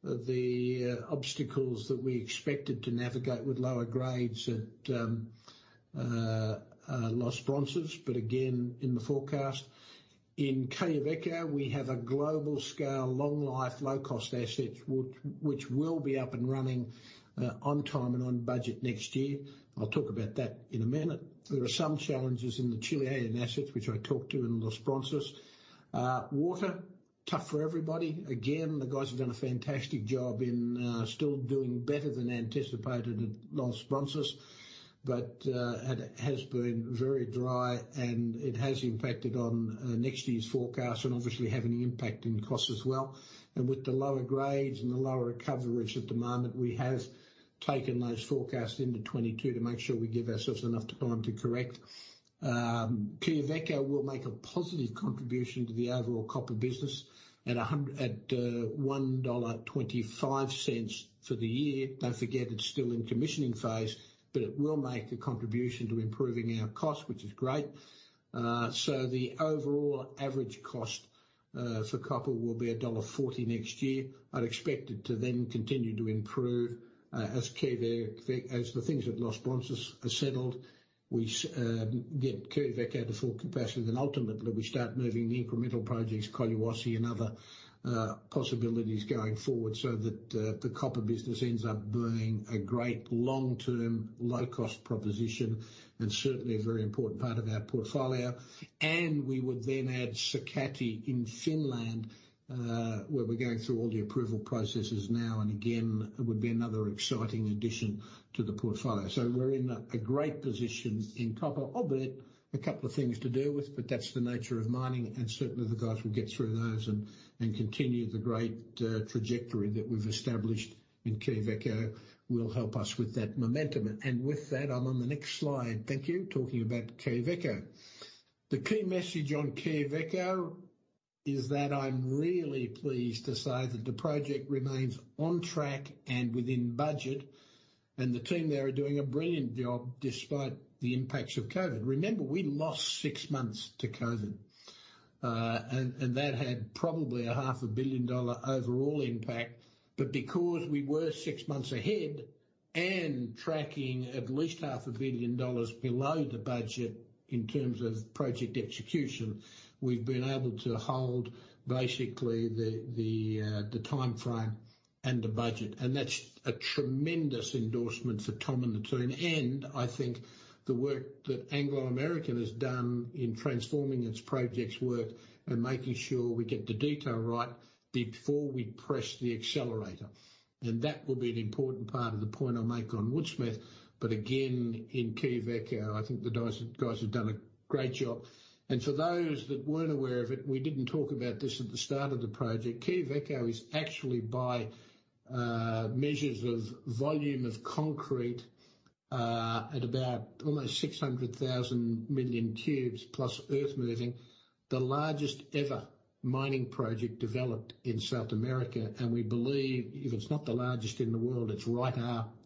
A: of the obstacles that we expected to navigate with lower grades at Los Bronces, but again in the forecast. In Quellaveco, we have a global scale, long life, low cost asset which will be up and running on time and on budget next year. I'll talk about that in a minute. There are some challenges in the Chilean assets, which I talked about in Los Bronces, water, tough for everybody. Again, the guys have done a fantastic job, still doing better than anticipated at Los Bronces. It has been very dry, and it has impacted on next year's forecast and obviously having an impact on costs as well. With the lower grades and the lower coverage of demand, we have taken those forecasts into 2022 to make sure we give ourselves enough time to correct. Quellaveco will make a positive contribution to the overall copper business at $1.25 for the year. Don't forget, it's still in commissioning phase, but it will make a contribution to improving our cost, which is great. The overall average cost for copper will be $1.40 next year. I'd expect it to then continue to improve as the things at Los Bronces are settled. We get Quellaveco to full capacity, and then ultimately, we start moving the incremental projects, Collahuasi and other possibilities going forward, so that the copper business ends up being a great long-term, low-cost proposition and certainly a very important part of our portfolio. We would then add Sakatti in Finland, where we're going through all the approval processes now and again, it would be another exciting addition to the portfolio. We're in a great position in copper, albeit a couple of things to deal with, but that's the nature of mining, and certainly the guys will get through those and continue the great trajectory that we've established in Quellaveco will help us with that momentum. With that, I'm on the next slide. Thank you. Talking about Quellaveco. The key message on Quellaveco is that I'm really pleased to say that the project remains on track and within budget, and the team there are doing a brilliant job despite the impacts of COVID. Remember, we lost six months to COVID, and that had probably a half a billion dollar overall impact. Because we were six months ahead and tracking at least half a billion dollars below the budget in terms of project execution. We've been able to hold basically the timeframe and the budget, and that's a tremendous endorsement for Tom and the team. That will be an important part of the point I make on Woodsmith. Again, in Quellaveco, I think the guys have done a great job. For those that weren't aware of it, we didn't talk about this at the start of the project. Quellaveco is actually by measures of volume of concrete at about almost 600,000 m³ plus earth moving, the largest ever mining project developed in South America. We believe if it's not the largest in the world, it's right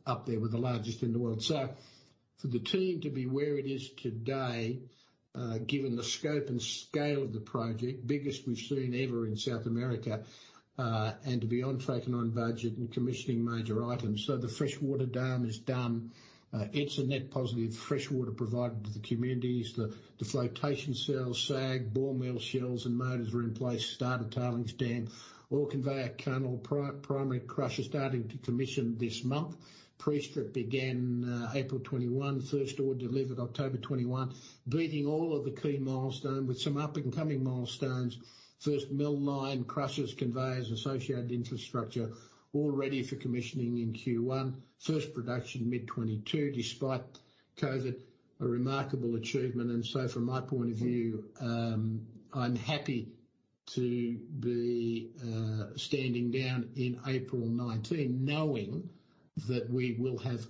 A: up there with the largest in the world. For the team to be where it is today, given the scope and scale of the project, biggest we've seen ever in South America, and to be on track and on budget and commissioning major items. The freshwater dam is done. It's a net positive freshwater provided to the communities. The flotation cells, SAG, ball mill shells, and motors are in place. Start of tailings dam, ore conveyor, canal, primary crusher starting to commission this month. Pre-strip began April 2021. First ore delivered October 2021. Beating all of the key milestones with some up-and-coming milestones. First mill line, crushers, conveyors, associated infrastructure all ready for commissioning in Q1. First production mid-2022 despite COVID, a remarkable achievement. From my point of view, I'm happy to be standing down in April 2019 knowing that we will have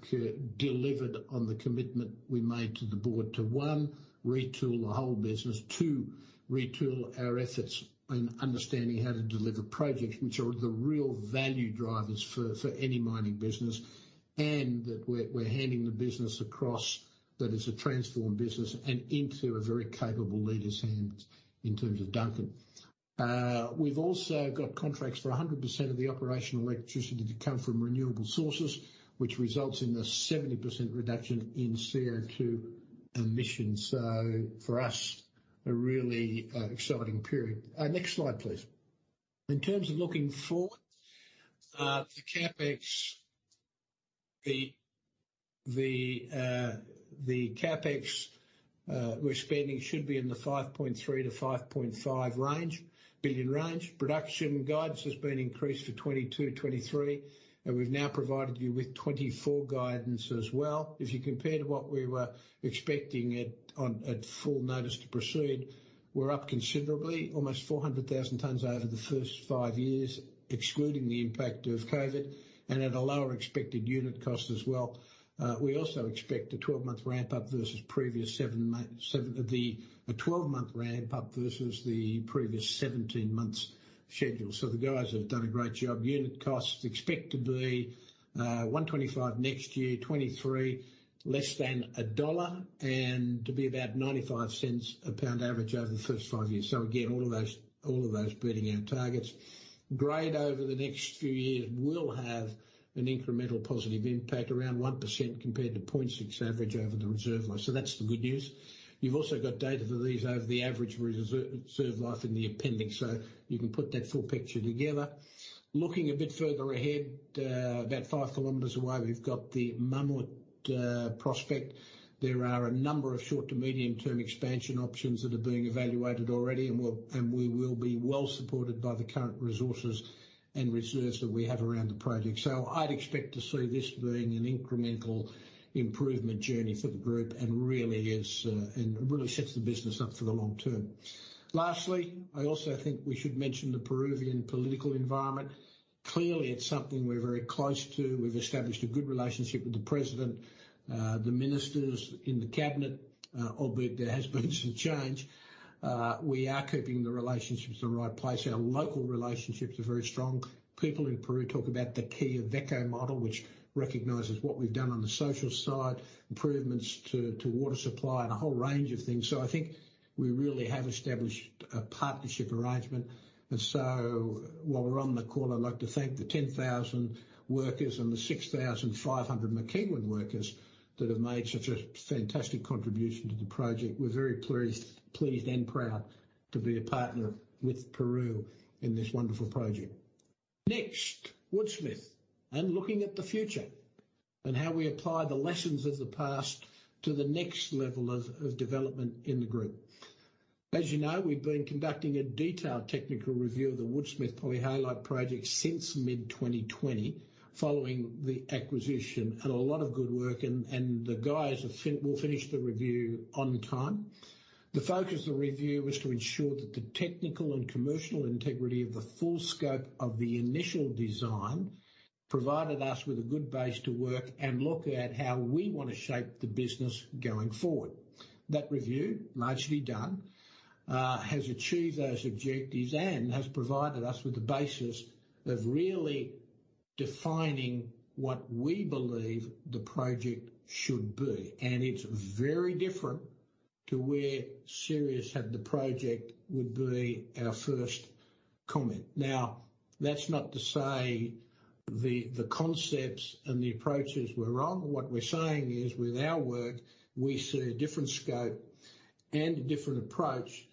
A: delivered on the commitment we made to the board to one, retool the whole business. Two, retool our efforts in understanding how to deliver projects, which are the real value drivers for any mining business, and that we're handing the business across, that is a transformed business, and into a very capable leader's hands in terms of Duncan. We've also got contracts for 100% of the operational electricity to come from renewable sources, which results in a 70% reduction in CO2 emissions. For us, a really exciting period. Next slide, please. In terms of looking forward, the CapEx we're spending should be in the $5.3 billion-$5.5 billion range. Production guidance has been increased for 2022, 2023, and we've now provided you with 2024 guidance as well. If you compare to what we were expecting at full notice to proceed, we're up considerably, almost 400,000 tons over the first five years, excluding the impact of COVID, and at a lower expected unit cost as well. We also expect a 12-month ramp up versus the previous 17 months schedule. The guys have done a great job. Unit costs expect to be $1.25 next year, $0.23 less than a dollar, and to be about $0.95 a pound average over the first five years. All of those beating our targets. Grade over the next few years will have an incremental positive impact, around 1% compared to 0.6 average over the reserve life. That's the good news. You've also got data that these over the average reserve life in the appendix, so you can put that full picture together. Looking a bit further ahead, about five kilometers away, we've got the Mamut prospect. There are a number of short to medium-term expansion options that are being evaluated already, and we will be well-supported by the current resources and reserves that we have around the project. I'd expect to see this being an incremental improvement journey for the group and really sets the business up for the long term. Lastly, I also think we should mention the Peruvian political environment. Clearly, it's something we're very close to. We've established a good relationship with the president, the ministers in the cabinet, albeit there has been some change. We are keeping the relationships in the right place. Our local relationships are very strong. People in Peru talk about the key of Quellaveco model, which recognizes what we've done on the social side, improvements to water supply, and a whole range of things. I think we really have established a partnership arrangement. While we're on the call, I'd like to thank the 10,000 workers and the 6,500 McEwen workers that have made such a fantastic contribution to the project. We're very pleased and proud to be a partner with Peru in this wonderful project. Next, Woodsmith and looking at the future and how we apply the lessons of the past to the next level of development in the group. As you know, we've been conducting a detailed technical review of the Woodsmith polyhalite project since mid-2020, following the acquisition and a lot of good work. The guys will finish the review on time. The focus of the review was to ensure that the technical and commercial integrity of the full scope of the initial design provided us with a good base to work and look at how we wanna shape the business going forward. That review, largely done, has achieved those objectives and has provided us with the basis of really defining what we believe the project should be. It's very different to where Sirius had the project. Would be our first comment. Now, that's not to say the concepts and the approaches were wrong. What we're saying is, with our work, we see a different scope and a different approach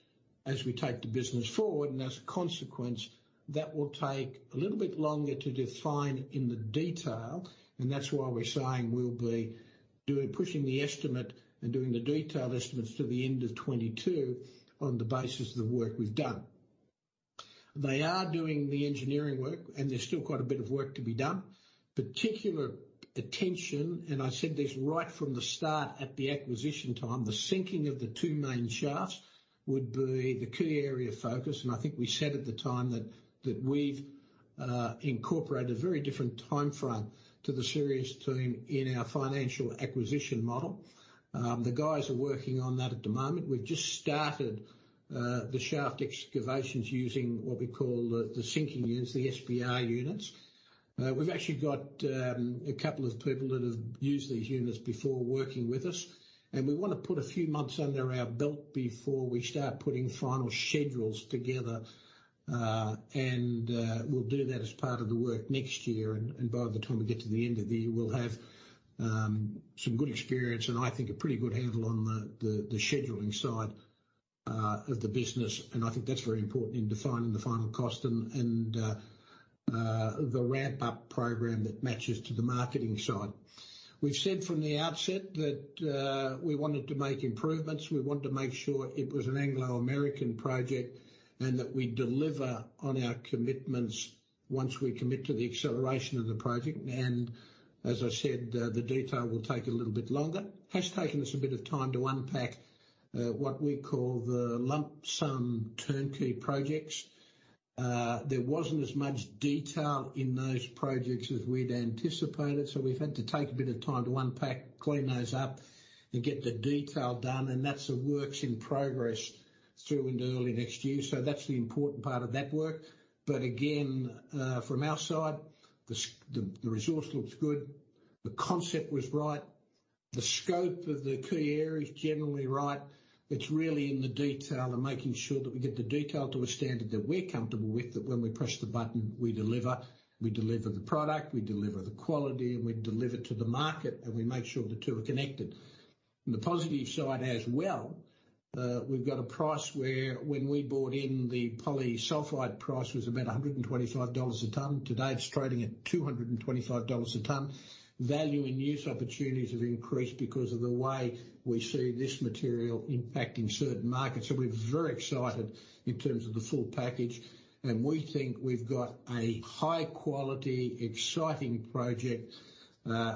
A: as we take the business forward, and as a consequence, that will take a little bit longer to define in the detail. That's why we're saying we'll be doing, pushing the estimate and doing the detailed estimates to the end of 2022 on the basis of the work we've done. They are doing the engineering work, and there's still quite a bit of work to be done. Particular attention, and I said this right from the start at the acquisition time, the sinking of the two main shafts would be the key area of focus. I think we said at the time that we've incorporated a very different time frame to the Sirius team in our financial acquisition model. The guys are working on that at the moment. We've just started the shaft excavations using what we call the sinking units, the SBR units. We've actually got a couple of people that have used these units before working with us, and we wanna put a few months under our belt before we start putting final schedules together. We'll do that as part of the work next year. By the time we get to the end of the year, we'll have some good experience and I think a pretty good handle on the scheduling side of the business. I think that's very important in defining the final cost and the ramp-up program that matches to the marketing side. We've said from the outset that we wanted to make improvements. We wanted to make sure it was an Anglo American project, and that we deliver on our commitments once we commit to the acceleration of the project. As I said, the detail will take a little bit longer. It has taken us a bit of time to unpack what we call the lump sum turnkey projects. There wasn't as much detail in those projects as we'd anticipated, so we've had to take a bit of time to unpack, clean those up, and get the detail done, and that's the work in progress through into early next year. That's the important part of that work. Again, from our side, the resource looks good. The concept was right. The scope of the key area is generally right. It's really in the detail and making sure that we get the detail to a standard that we're comfortable with, that when we press the button, we deliver. We deliver the product, we deliver the quality, and we deliver to the market, and we make sure the two are connected. On the positive side as well, we've got a price where when we bought in, the polyhalite price was about $125 a ton. Today, it's trading at $225 a ton. Value and use opportunities have increased because of the way we see this material impacting certain markets. We're very excited in terms of the full package, and we think we've got a high-quality, exciting project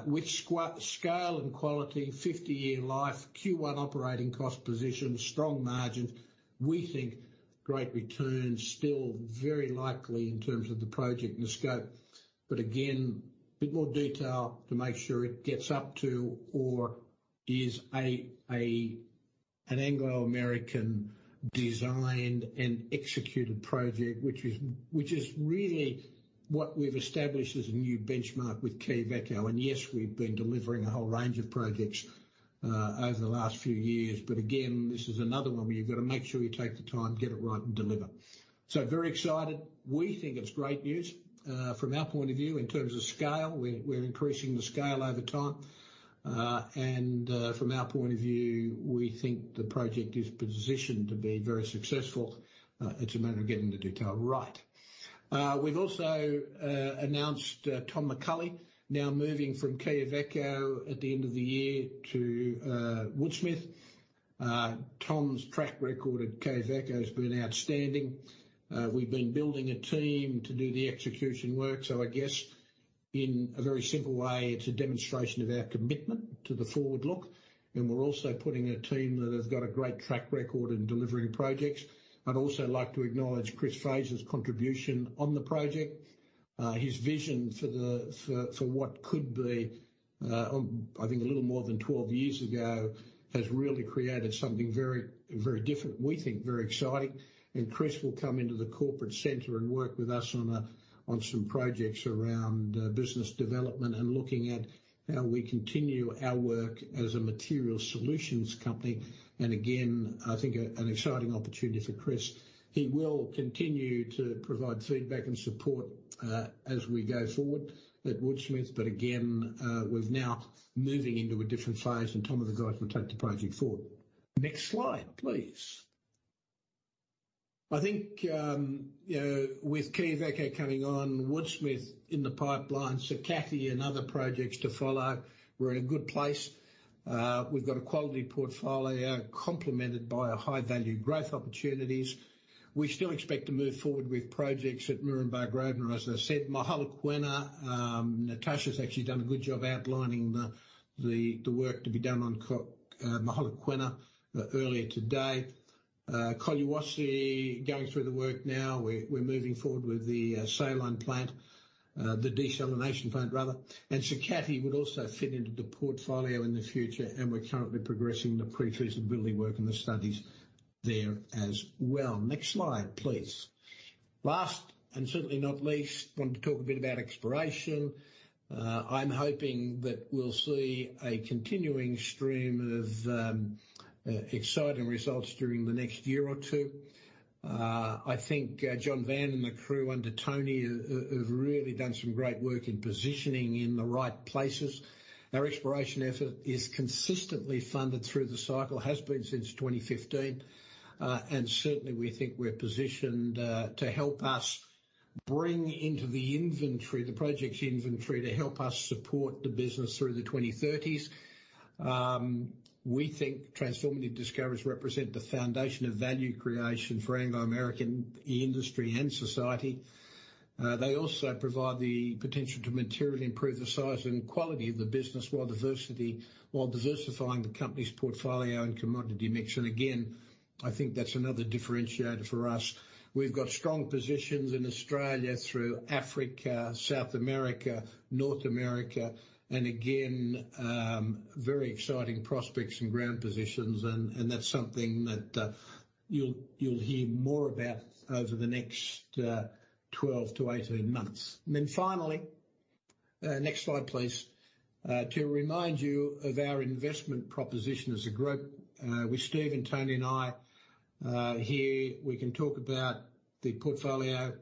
A: with scale and quality, 50-year life, Q1 operating cost position, strong margins. We think great returns still very likely in terms of the project and the scope. Again, a bit more detail to make sure it gets up to or is an Anglo American designed and executed project, which is really what we've established as a new benchmark with Quellaveco. Yes, we've been delivering a whole range of projects over the last few years. Again, this is another one where you've gotta make sure you take the time, get it right, and deliver. Very excited. We think it's great news from our point of view. In terms of scale, we're increasing the scale over time. From our point of view, we think the project is positioned to be very successful. It's a matter of getting the detail right. We've also announced Tom McCulley now moving from Quellaveco at the end of the year to Woodsmith. Tom's track record at Quellaveco has been outstanding. We've been building a team to do the execution work, so I guess in a very simple way, it's a demonstration of our commitment to the forward look, and we're also putting a team that has got a great track record in delivering projects. I'd also like to acknowledge Chris Fraser contribution on the project. His vision for what could be, I think a little more than 12 years ago, has really created something very, very different, and we think very exciting. Chris will come into the corporate center and work with us on some projects around business development and looking at how we continue our work as a material solutions company. Again, I think an exciting opportunity for Chris. He will continue to provide feedback and support as we go forward at Woodsmith. Again, we're now moving into a different phase, and Tom and the guys will take the project forward. Next slide, please. I think you know, with Quellaveco coming on, Woodsmith in the pipeline, Sakatti and other projects to follow, we're in a good place. We've got a quality portfolio complemented by a high-value growth opportunities. We still expect to move forward with projects at Murrumbidgee Road, and as I said, Collahuasi. Natasha's actually done a good job outlining the work to be done on Collahuasi earlier today. Collahuasi going through the work now. We're moving forward with the saline plant, the desalination plant rather. Sakatti would also fit into the portfolio in the future, and we're currently progressing the pre-feasibility work and the studies there as well. Next slide, please. Last and certainly not least, want to talk a bit about exploration. I'm hoping that we'll see a continuing stream of exciting results during the next year or two. I think John Heasley and the crew under Tony O'Neill have really done some great work in positioning in the right places. Our exploration effort is consistently funded through the cycle, has been since 2015. And certainly we think we're positioned to help us bring into the inventory, the projects inventory, to help us support the business through the 2030s. We think transformative discoveries represent the foundation of value creation for Anglo American, industry and society. They also provide the potential to materially improve the size and quality of the business while diversifying the company's portfolio and commodity mix. I think that's another differentiator for us. We've got strong positions in Australia through Africa, South America, North America, and very exciting prospects and ground positions. That's something that you'll hear more about over the next 12-18 months. Finally, next slide, please. To remind you of our investment proposition as a group, with Steve and Tony and I here we can talk about the portfolio,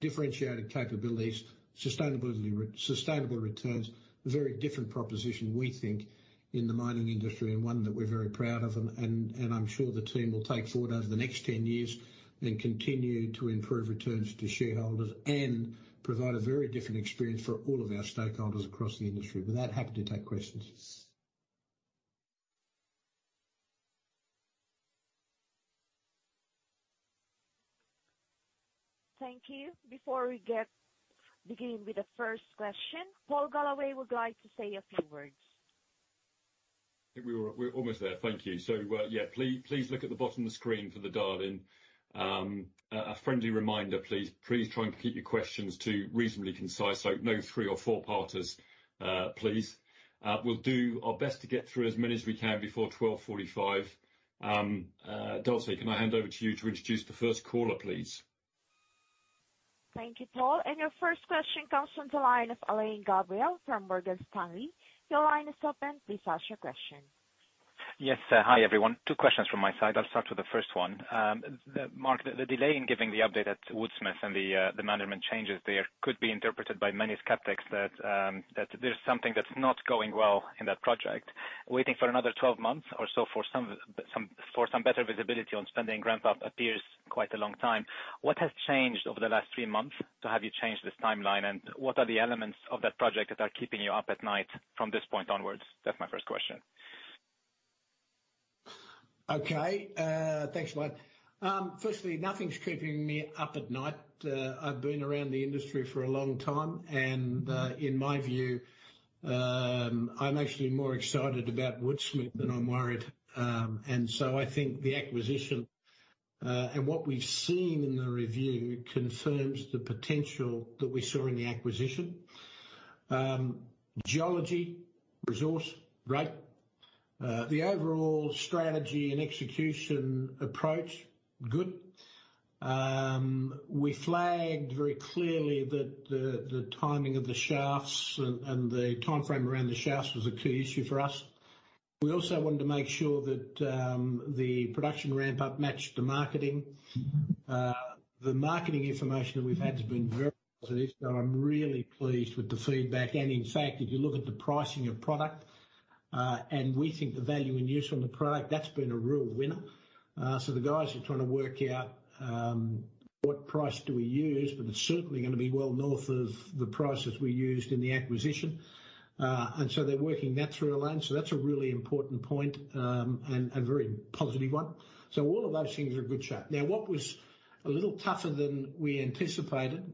A: differentiated capabilities, sustainability, sustainable returns. A very different proposition we think in the mining industry and one that we're very proud of, and I'm sure the team will take forward over the next 10 years and continue to improve returns to shareholders and provide a very different experience for all of our stakeholders across the industry. With that, happy to take questions.
C: Thank you. Before we begin with the first question, Paul Galloway would like to say a few words.
D: I think we're almost there. Thank you. Please look at the bottom of the screen for the dial-in. A friendly reminder, please try and keep your questions to reasonably concise. No three or four parters, please. We'll do our best to get through as many as we can before 12:45 P.M. Dulce, can I hand over to you to introduce the first caller, please?
C: Thank you, Paul. Your first question comes from the line of Alain Gabriel from Morgan Stanley. Your line is open. Please ask your question.
E: Yes. Hi, everyone. Two questions from my side. I'll start with the first one. Mark, the delay in giving the update at Woodsmith and the management changes there could be interpreted by many skeptics that there's something that's not going well in that project. Waiting for another 12 months or so for some better visibility on spending ramp-up appears quite a long time. What has changed over the last three months to have you change this timeline? And what are the elements of that project that are keeping you up at night from this point onwards? That's my first question.
A: Okay. Thanks, Alain. Firstly, nothing's keeping me up at night. I've been around the industry for a long time, and in my view, I'm actually more excited about Woodsmith than I'm worried. I think the acquisition, and what we've seen in the review confirms the potential that we saw in the acquisition. Geology, resource, great. The overall strategy and execution approach, good. We flagged very clearly that the timing of the shafts and the timeframe around the shafts was a key issue for us. We also wanted to make sure that the production ramp-up matched the marketing. The marketing information that we've had has been very positive. I'm really pleased with the feedback. In fact, if you look at the pricing of product, and we think the value and use on the product, that's been a real winner. The guys are trying to work out what price do we use, but it's certainly gonna be well north of the prices we used in the acquisition. They're working that through, Alain. That's a really important point, and a very positive one. All of those things are a good shape. Now, what was a little tougher than we anticipated,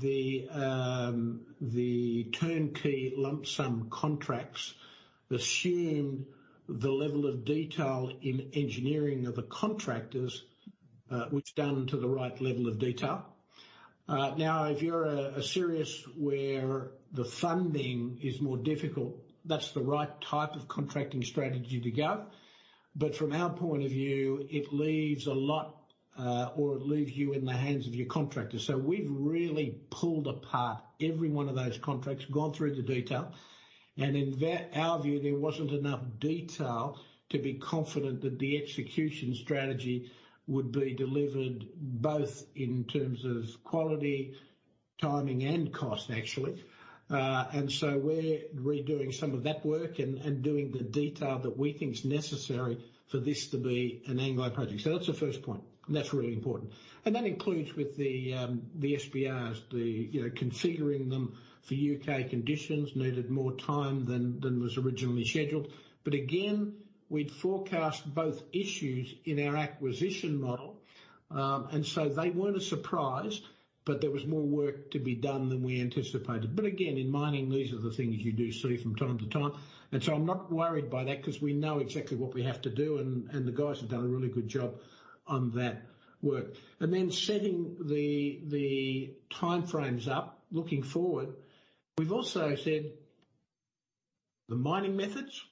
A: the turnkey lump sum contracts assumed the level of detail in engineering of the contractors, which down to the right level of detail. Now if you're a Sirius where the funding is more difficult, that's the right type of contracting strategy to go. From our point of view, it leaves a lot, or it leaves you in the hands of your contractors. We've really pulled apart every one of those contracts, gone through the detail, and in that, our view, there wasn't enough detail to be confident that the execution strategy would be delivered, both in terms of quality, timing, and cost, actually. We're redoing some of that work and doing the detail that we think is necessary for this to be an Anglo project. That's the first point, and that's really important. That includes with the SBRs, you know, configuring them for U.K. conditions needed more time than was originally scheduled. Again, we'd forecast both issues in our acquisition model, they weren't a surprise, but there was more work to be done than we anticipated. Again, in mining, these are the things you do see from time to time. I'm not worried by that 'cause we know exactly what we have to do and the guys have done a really good job on that work. Setting the timeframes up looking forward, we've also said the mining methods.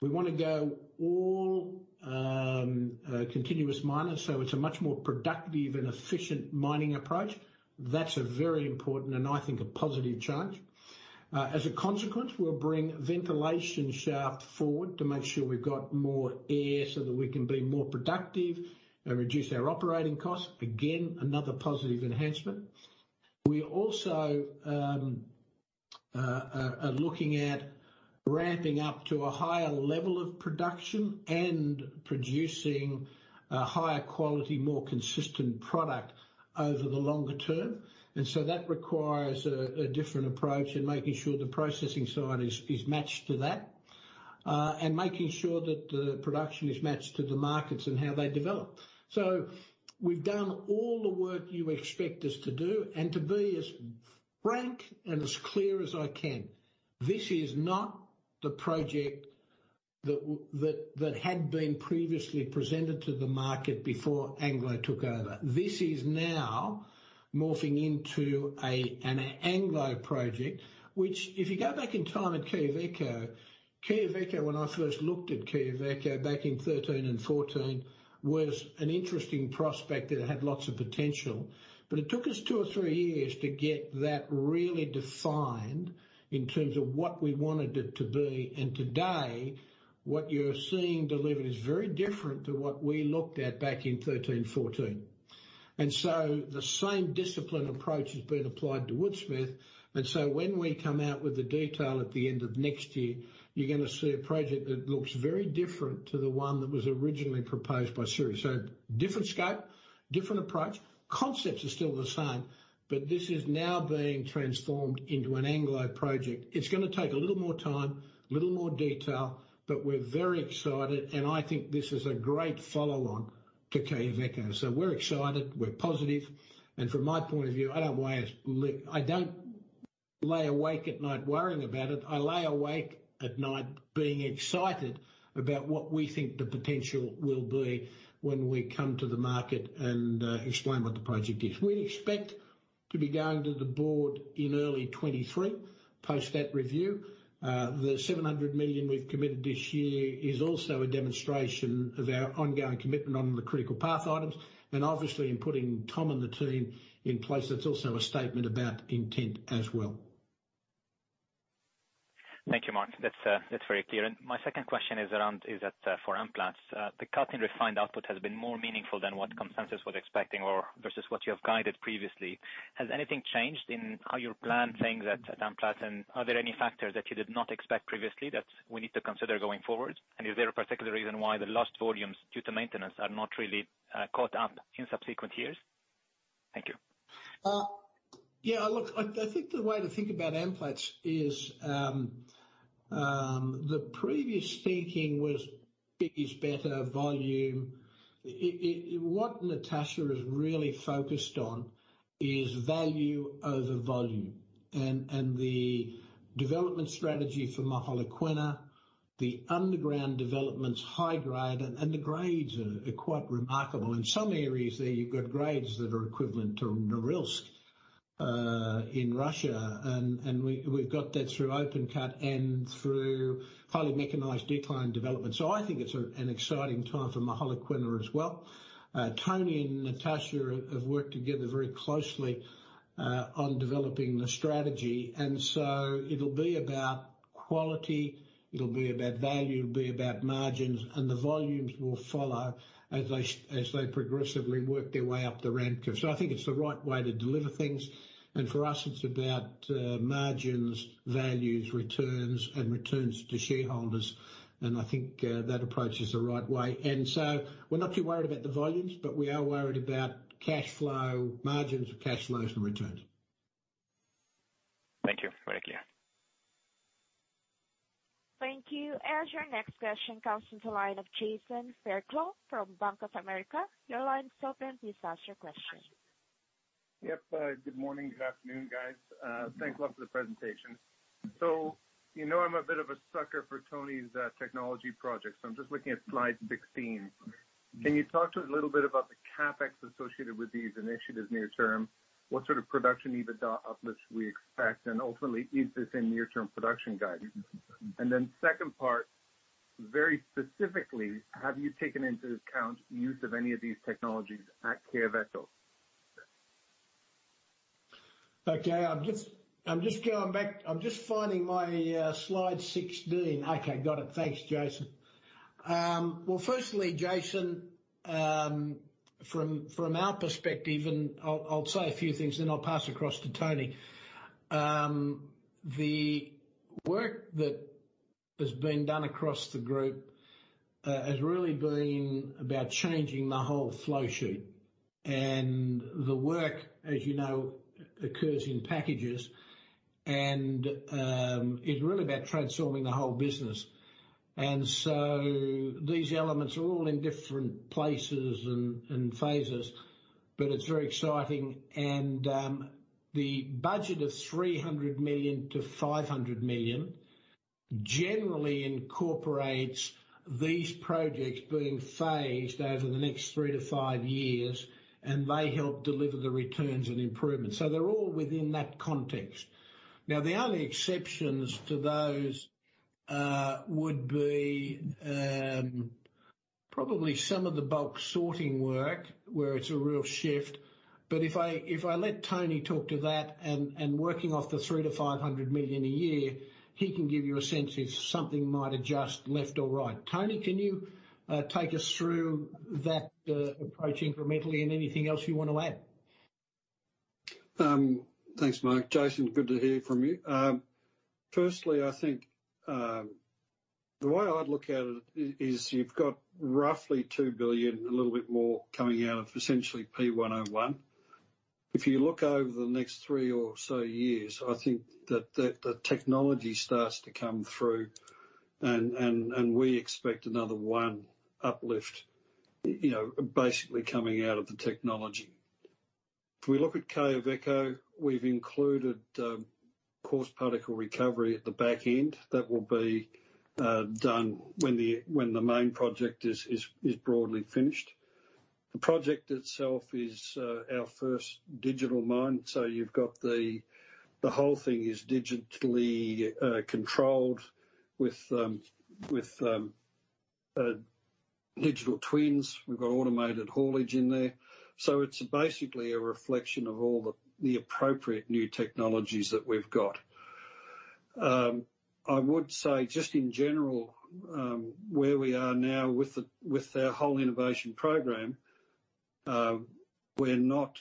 A: We wanna go all continuous miners, so it's a much more productive and efficient mining approach. That's a very important and I think a positive change. As a consequence, we'll bring ventilation shaft forward to make sure we've got more air so that we can be more productive and reduce our operating costs. Again, another positive enhancement. We also are looking at ramping up to a higher level of production and producing a higher quality, more consistent product over the longer term. That requires a different approach in making sure the processing side is matched to that. Making sure that the production is matched to the markets and how they develop. We've done all the work you expect us to do, and to be as frank and as clear as I can, this is not the project that had been previously presented to the market before Anglo took over. This is now morphing into an Anglo project, which if you go back in time at Quellaveco, when I first looked at Quellaveco back in 13 and 14, was an interesting prospect that had lots of potential. It took us two or three years to get that really defined in terms of what we wanted it to be. Today, what you're seeing delivered is very different to what we looked at back in 2013/2014. The same discipline approach has been applied to Woodsmith. When we come out with the detail at the end of next year, you're gonna see a project that looks very different to the one that was originally proposed by Sirius. Different scope, different approach. Concepts are still the same, but this is now being transformed into an Anglo project. It's gonna take a little more time, a little more detail, but we're very excited, and I think this is a great follow on to Quellaveco. We're excited, we're positive, and from my point of view, I don't sweat it. I don't lie awake at night worrying about it. I lay awake at night being excited about what we think the potential will be when we come to the market and explain what the project is. We expect to be going to the board in early 2023, post that review. The $700 million we've committed this year is also a demonstration of our ongoing commitment on the critical path items. Obviously in putting Tom and the team in place, that's also a statement about intent as well.
E: Thank you, Mark. That's very clear. My second question is around for Amplats. The cut in refined output has been more meaningful than what consensus was expecting or versus what you have guided previously. Has anything changed in how you're planning things at Amplats? Are there any factors that you did not expect previously that we need to consider going forward? Is there a particular reason why the lost volumes due to maintenance are not really caught up in subsequent years? Thank you.
A: Yeah, look, I think the way to think about Amplats is the previous thinking was big is better, volume. What Natasha is really focused on is value over volume. The development strategy for Mogalakwena, the underground development's high grade and the grades are quite remarkable. In some areas there, you've got grades that are equivalent to Norilsk in Russia. We have got that through open cut and through highly mechanized decline development. I think it's an exciting time for Mogalakwena as well. Tony and Natasha have worked together very closely on developing the strategy. It'll be about quality, it'll be about value, it'll be about margins, and the volumes will follow as they progressively work their way up the ramp curve. I think it's the right way to deliver things. For us, it's about margins, values, returns, and returns to shareholders. I think that approach is the right way. We're not too worried about the volumes, but we are worried about cash flow, margins, cash flows and returns.
E: Thank you. Very clear.
C: Thank you. As your next question comes from the line of Jason Fairclough from Bank of America. Your line is open. Please ask your question.
F: Yep. Good morning. Good afternoon, guys. Thanks a lot for the presentation. You know I'm a bit of a sucker for Tony's technology projects. I'm just looking at slide 16. Can you talk to us a little bit about the CapEx associated with these initiatives near term? What sort of production EBITDA uplift should we expect? And ultimately, is this in near term production guidance? And then second part, very specifically, have you taken into account use of any of these technologies at Quellaveco?
A: Okay. I'm just going back. I'm just finding my slide 16. Okay. Got it. Thanks, Jason. Well, firstly, Jason, from our perspective, and I'll say a few things then I'll pass across to Tony. The work that has been done across the group has really been about changing the whole flow sheet. The work, as you know, occurs in packages, and is really about transforming the whole business. These elements are all in different places and phases, but it's very exciting. The budget of $300 million-$500 million generally incorporates these projects being phased over the next three to five years, and they help deliver the returns and improvements. They're all within that context. Now, the only exceptions to those would be probably some of the bulk ore sorting work where it's a real shift. If I let Tony talk to that and working off the $300 million-$500 million a year, he can give you a sense if something might adjust left or right. Tony, can you take us through that approach incrementally and anything else you wanna add?
G: Thanks, Mark. Jason, good to hear from you. Firstly, I think the way I'd look at it is you've got roughly $2 billion, a little bit more coming out of essentially P101. If you look over the next three or so years, I think that the technology starts to come through and we expect another uplift, you know, basically coming out of the technology. If we look at Quellaveco, we've included Coarse Particle Recovery at the back end that will be done when the main project is broadly finished. The project itself is our first digital mine, so you've got the whole thing is digitally controlled with digital twins. We've got automated haulage in there. It's basically a reflection of all the appropriate new technologies that we've got. I would say just in general, where we are now with our whole innovation program, we've not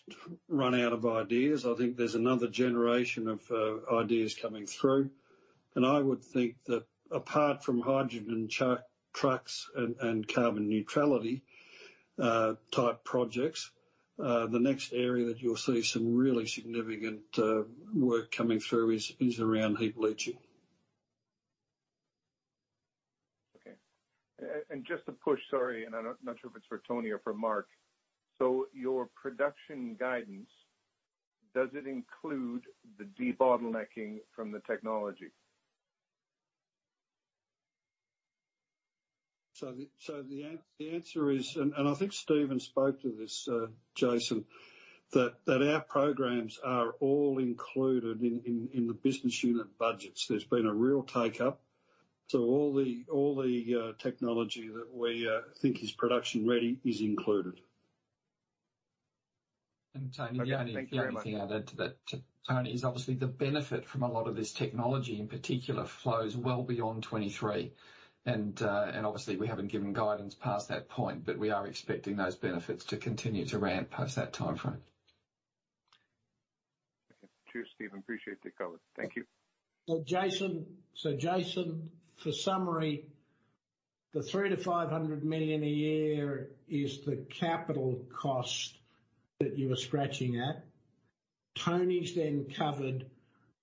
G: run out of ideas. I think there's another generation of ideas coming through. I would think that apart from hydrogen H2 trucks and carbon neutrality type projects, the next area that you'll see some really significant work coming through is around heap leaching.
F: Just to push, sorry, and I'm not sure if it's for Tony or for Mark. Your production guidance, does it include the debottlenecking from the technology?
G: The answer is. I think Stephen spoke to this, Jason, that our programs are all included in the business unit budgets. There's been a real take-up. All the technology that we think is production ready is included.
F: Okay. Thank you very much.
B: Tony, the only thing I'd add to that, Tony, is obviously the benefit from a lot of this technology in particular flows well beyond 2023. Obviously we haven't given guidance past that point, but we are expecting those benefits to continue to ramp past that timeframe.
F: Okay. Cheers, Stephen. Appreciate the color. Thank you.
A: Jason, for summary, the $300 million-$500 million a year is the capital cost that you were scratching at. Tony's then covered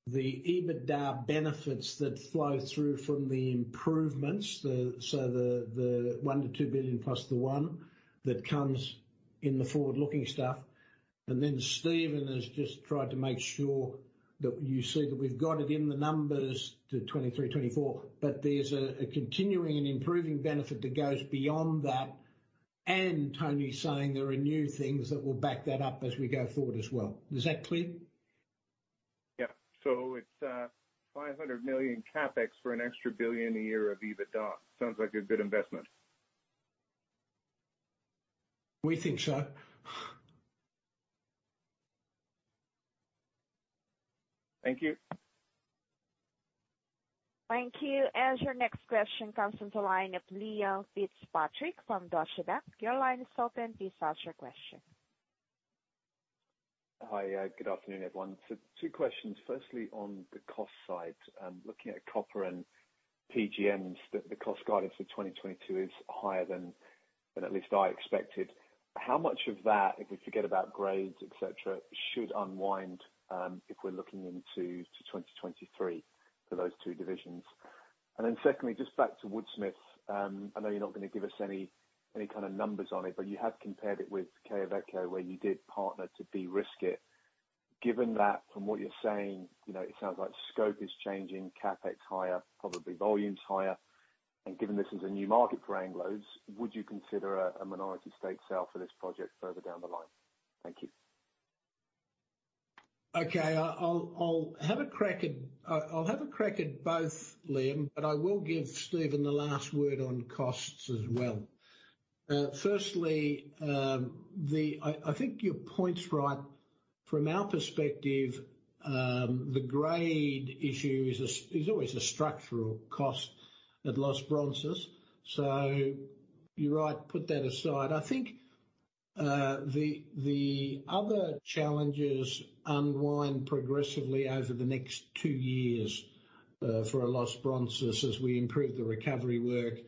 A: the EBITDA benefits that flow through from the improvements. The one to two billion plus the one that comes in the forward-looking stuff. Stephen has just tried to make sure that you see that we've got it in the numbers to 2023, 2024, but there's a continuing and improving benefit that goes beyond that. Tony is saying there are new things that will back that up as we go forward as well. Is that clear?
F: It's $500 million CapEx for an extra $1 billion a year of EBITDA. Sounds like a good investment.
A: We think so.
F: Thank you.
C: Thank you. As your next question comes from the line of Liam Fitzpatrick from Deutsche Bank. Your line is open. Please ask your question.
H: Hi. Good afternoon, everyone. Two questions. Firstly, on the cost side, looking at copper and PGM, the cost guidance for 2022 is higher than at least I expected. How much of that, if we forget about grades, et cetera, should unwind, if we're looking into 2023 for those two divisions? And then secondly, just back to Woodsmith. I know you're not gonna give us any kind of numbers on it, but you have compared it with Quellaveco, where you did partner to de-risk it. Given that, from what you're saying, you know, it sounds like scope is changing, CapEx higher, probably volume's higher. And given this is a new market for Anglos, would you consider a minority stake sale for this project further down the line? Thank you.
A: Okay. I'll have a crack at both, Liam, but I will give Stephen the last word on costs as well. Firstly, I think your point's right. From our perspective, the grade issue is always a structural cost at Los Bronces. You're right, put that aside. I think the other challenges unwind progressively over the next two years for Los Bronces as we improve the recovery work,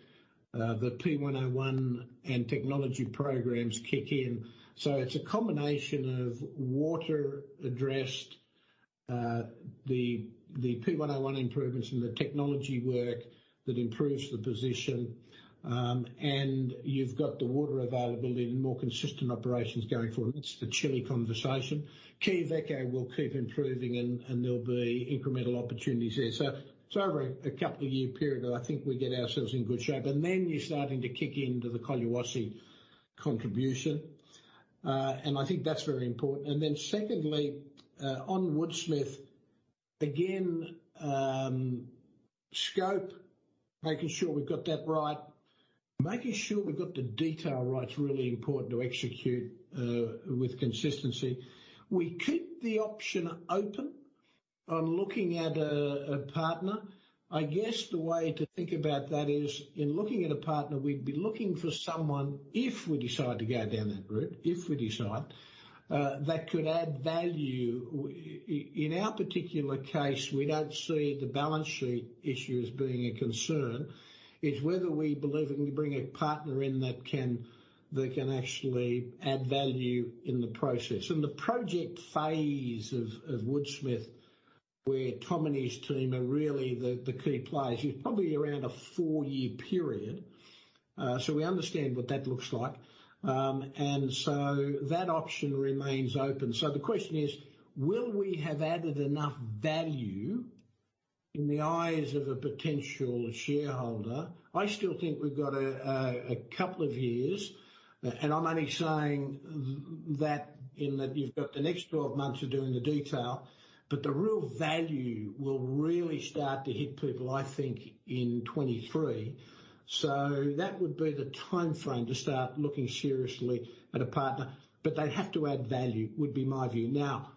A: the P101 and technology programs kick in. It's a combination of water addressed, the P101 improvements and the technology work that improves the position. You've got the water availability and more consistent operations going forward. That's the Chile conversation. Quellaveco will keep improving and there'll be incremental opportunities there. Over a couple of years period, I think we get ourselves in good shape. Then you're starting to kick into the Collahuasi contribution. I think that's very important. Secondly, on Woodsmith again, scope, making sure we've got that right, making sure we've got the detail right is really important to execute with consistency. We keep the option open on looking at a partner. I guess the way to think about that is in looking at a partner, we'd be looking for someone, if we decide to go down that route, if we decide that could add value. In our particular case, we don't see the balance sheet issue as being a concern. It's whether we believe we can bring a partner in that can actually add value in the process. The project phase of Woodsmith, where Tom and his team are really the key players, is probably around a four-year period. We understand what that looks like. That option remains open. The question is, will we have added enough value in the eyes of a potential shareholder? I still think we've got a couple of years, and I'm only saying that in that you've got the next 12 months of doing the detail, but the real value will really start to hit people, I think, in 2023. That would be the timeframe to start looking seriously at a partner. They'd have to add value, would be my view. Now,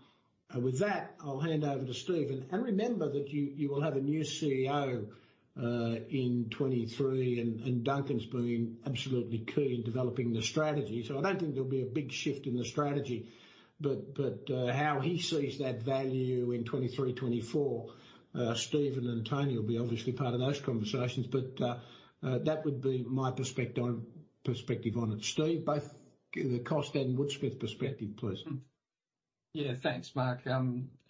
A: with that, I'll hand over to Stephen. Remember that you will have a new CEO in 2023 and Duncan's been absolutely key in developing the strategy. I don't think there'll be a big shift in the strategy, but how he sees that value in 2023, 2024, Stephen and Tony will be obviously part of those conversations. That would be my perspective on it. Steve, both the cost and Woodsmith perspective, please.
B: Yeah, thanks, Mark.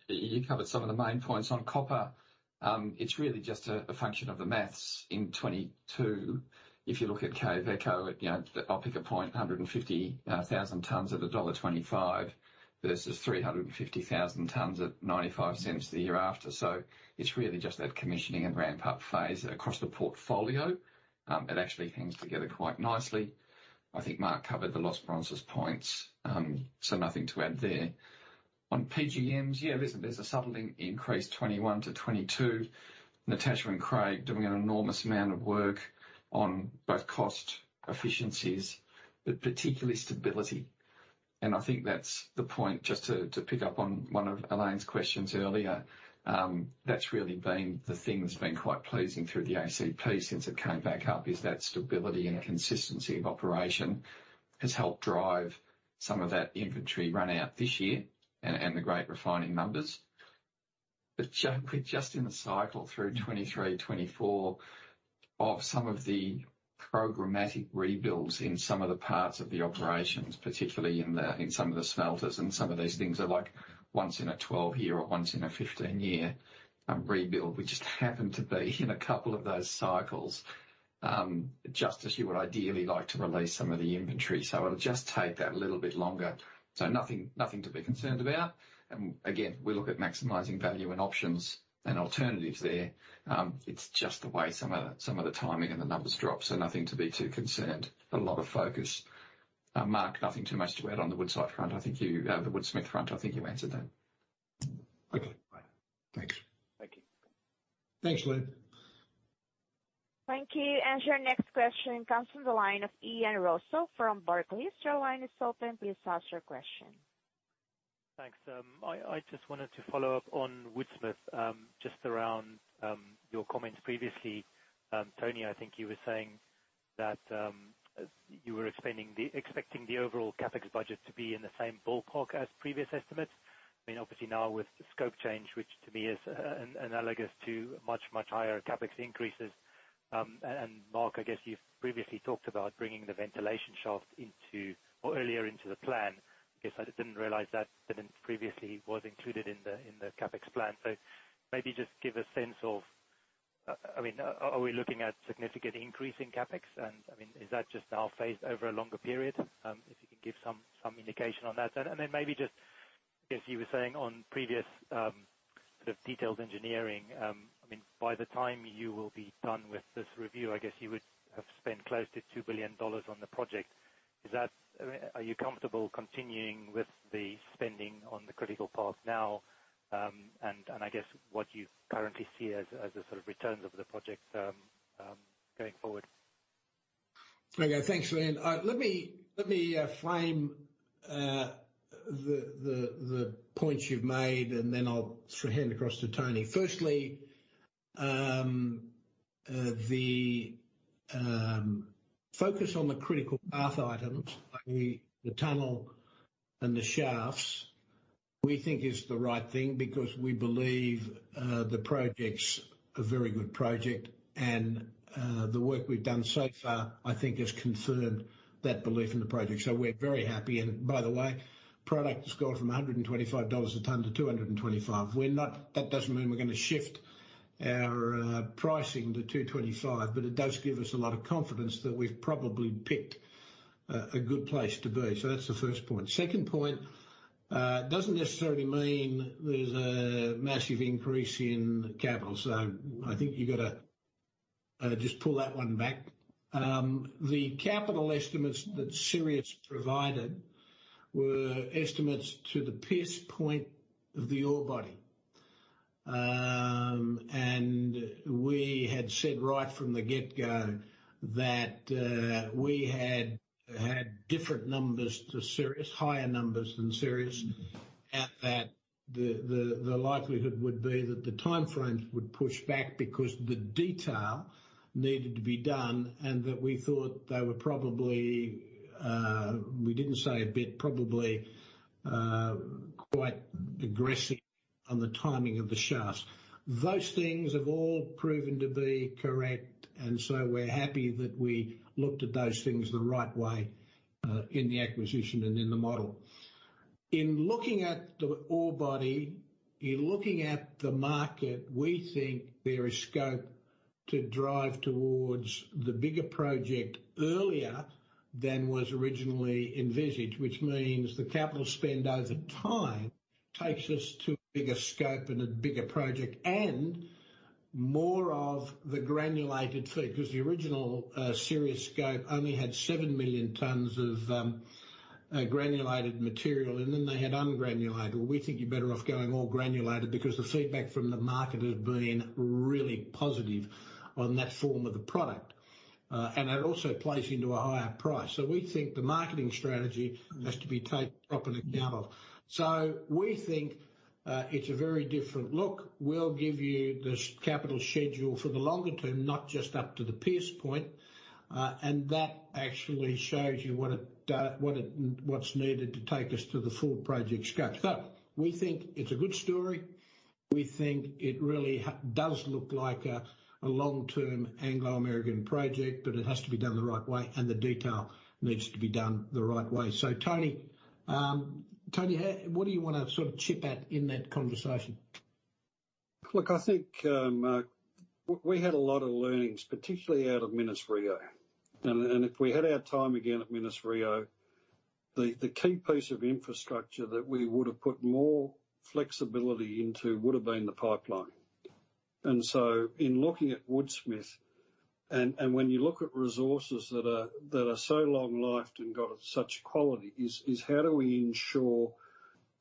B: You covered some of the main points on copper. It's really just a function of the math in 2022. If you look at Quellaveco, you know, I'll pick a point, 150,000 tons at $1.25 versus 350,000 tons at $0.95 the year after. It's really just that commissioning and ramp-up phase across the portfolio. It actually hangs together quite nicely. I think Mark covered the Los Bronces points, so nothing to add there. On PGMs, yeah, there's a subtle increase, 2021 to 2022. Natasha and Craig doing an enormous amount of work on both cost efficiencies, but particularly stability. I think that's the point, just to pick up on one of Alain's questions earlier. That's really been the thing that's been quite pleasing through the ACP since it came back up, is that stability and consistency of operation has helped drive some of that inventory run out this year and the great refining numbers. We're just in the cycle through 2023, 2024 of some of the programmatic rebuilds in some of the parts of the operations, particularly in some of the smelters. Some of these things are like once in a 12-year or once in a 15-year rebuild. We just happen to be in a couple of those cycles, just as you would ideally like to release some of the inventory. It'll just take that little bit longer. Nothing to be concerned about. We look at maximizing value and options and alternatives there. It's just the way some of the timing and the numbers drop. Nothing to be too concerned. A lot of focus. Mark, nothing too much to add on the Woodsmith front. I think you answered that.
A: Okay.
B: All right.
A: Thanks.
B: Thank you.
A: Thanks, Liam.
C: Thank you. Your next question comes from the line of Ian Rossouw from Barclays. Your line is open. Please ask your question.
I: Thanks. I just wanted to follow up on Woodsmith, just around your comments previously. Tony, I think you were saying that you were expecting the overall CapEx budget to be in the same ballpark as previous estimates. I mean, obviously now with the scope change, which to me is analogous to much higher CapEx increases. Mark, I guess you've previously talked about bringing the ventilation shaft into or earlier into the plan. I guess I didn't realize that didn't previously was included in the CapEx plan. Maybe just give a sense of, I mean, are we looking at significant increase in CapEx? And I mean, is that just now phased over a longer period? If you can give some indication on that. Maybe just, I guess you were saying on previous sort of detailed engineering. I mean, by the time you will be done with this review, I guess you would have spent close to $2 billion on the project. Are you comfortable continuing with the spending on the critical path now? I guess what you currently see as the sort of returns of the project going forward.
A: Okay. Thanks, Ian. Let me frame the points you've made, and then I'll hand across to Tony. Firstly, the focus on the critical path items, like the tunnel and the shafts, we think is the right thing because we believe the project's a very good project. The work we've done so far, I think, has confirmed that belief in the project. We're very happy. By the way, product has gone from $125 a ton to $225. That doesn't mean we're gonna shift our pricing to $225, but it does give us a lot of confidence that we've probably picked a good place to be. That's the first point. Second point, it doesn't necessarily mean there's a massive increase in capital. I think you gotta just pull that one back. The capital estimates that Sirius provided were estimates to the pierce point of the ore body. We had said right from the get-go that we had different numbers to Sirius, higher numbers than Sirius, and that the likelihood would be that the time frames would push back because the detail needed to be done and that we thought they were probably quite aggressive on the timing of the shafts. Those things have all proven to be correct, and so we're happy that we looked at those things the right way in the acquisition and in the model. In looking at the ore body, in looking at the market, we think there is scope to drive towards the bigger project earlier than was originally envisaged. Which means the capital spend over time takes us to a bigger scope and a bigger project, and more of the granulated feed. Because the original Sirius scope only had 7 million tons of granulated material, and then they had ungranulated. We think you're better off going all granulated because the feedback from the market has been really positive on that form of the product. And it also plays into a higher price. We think the marketing strategy has to be taken proper account of. We think it's a very different look. We'll give you the CapEx schedule for the longer term, not just up to the pierce point. That actually shows you what's needed to take us to the full project scope. We think it's a good story. We think it really does look like a long-term Anglo American project, but it has to be done the right way, and the detail needs to be done the right way. Tony, how, what do you wanna sort of chip at in that conversation?
G: Look, I think we had a lot of learnings, particularly out of Minas-Rio. If we had our time again at Minas-Rio, the key piece of infrastructure that we would have put more flexibility into would have been the pipeline. In looking at Woodsmith, when you look at resources that are so long-lived and got such quality, how do we ensure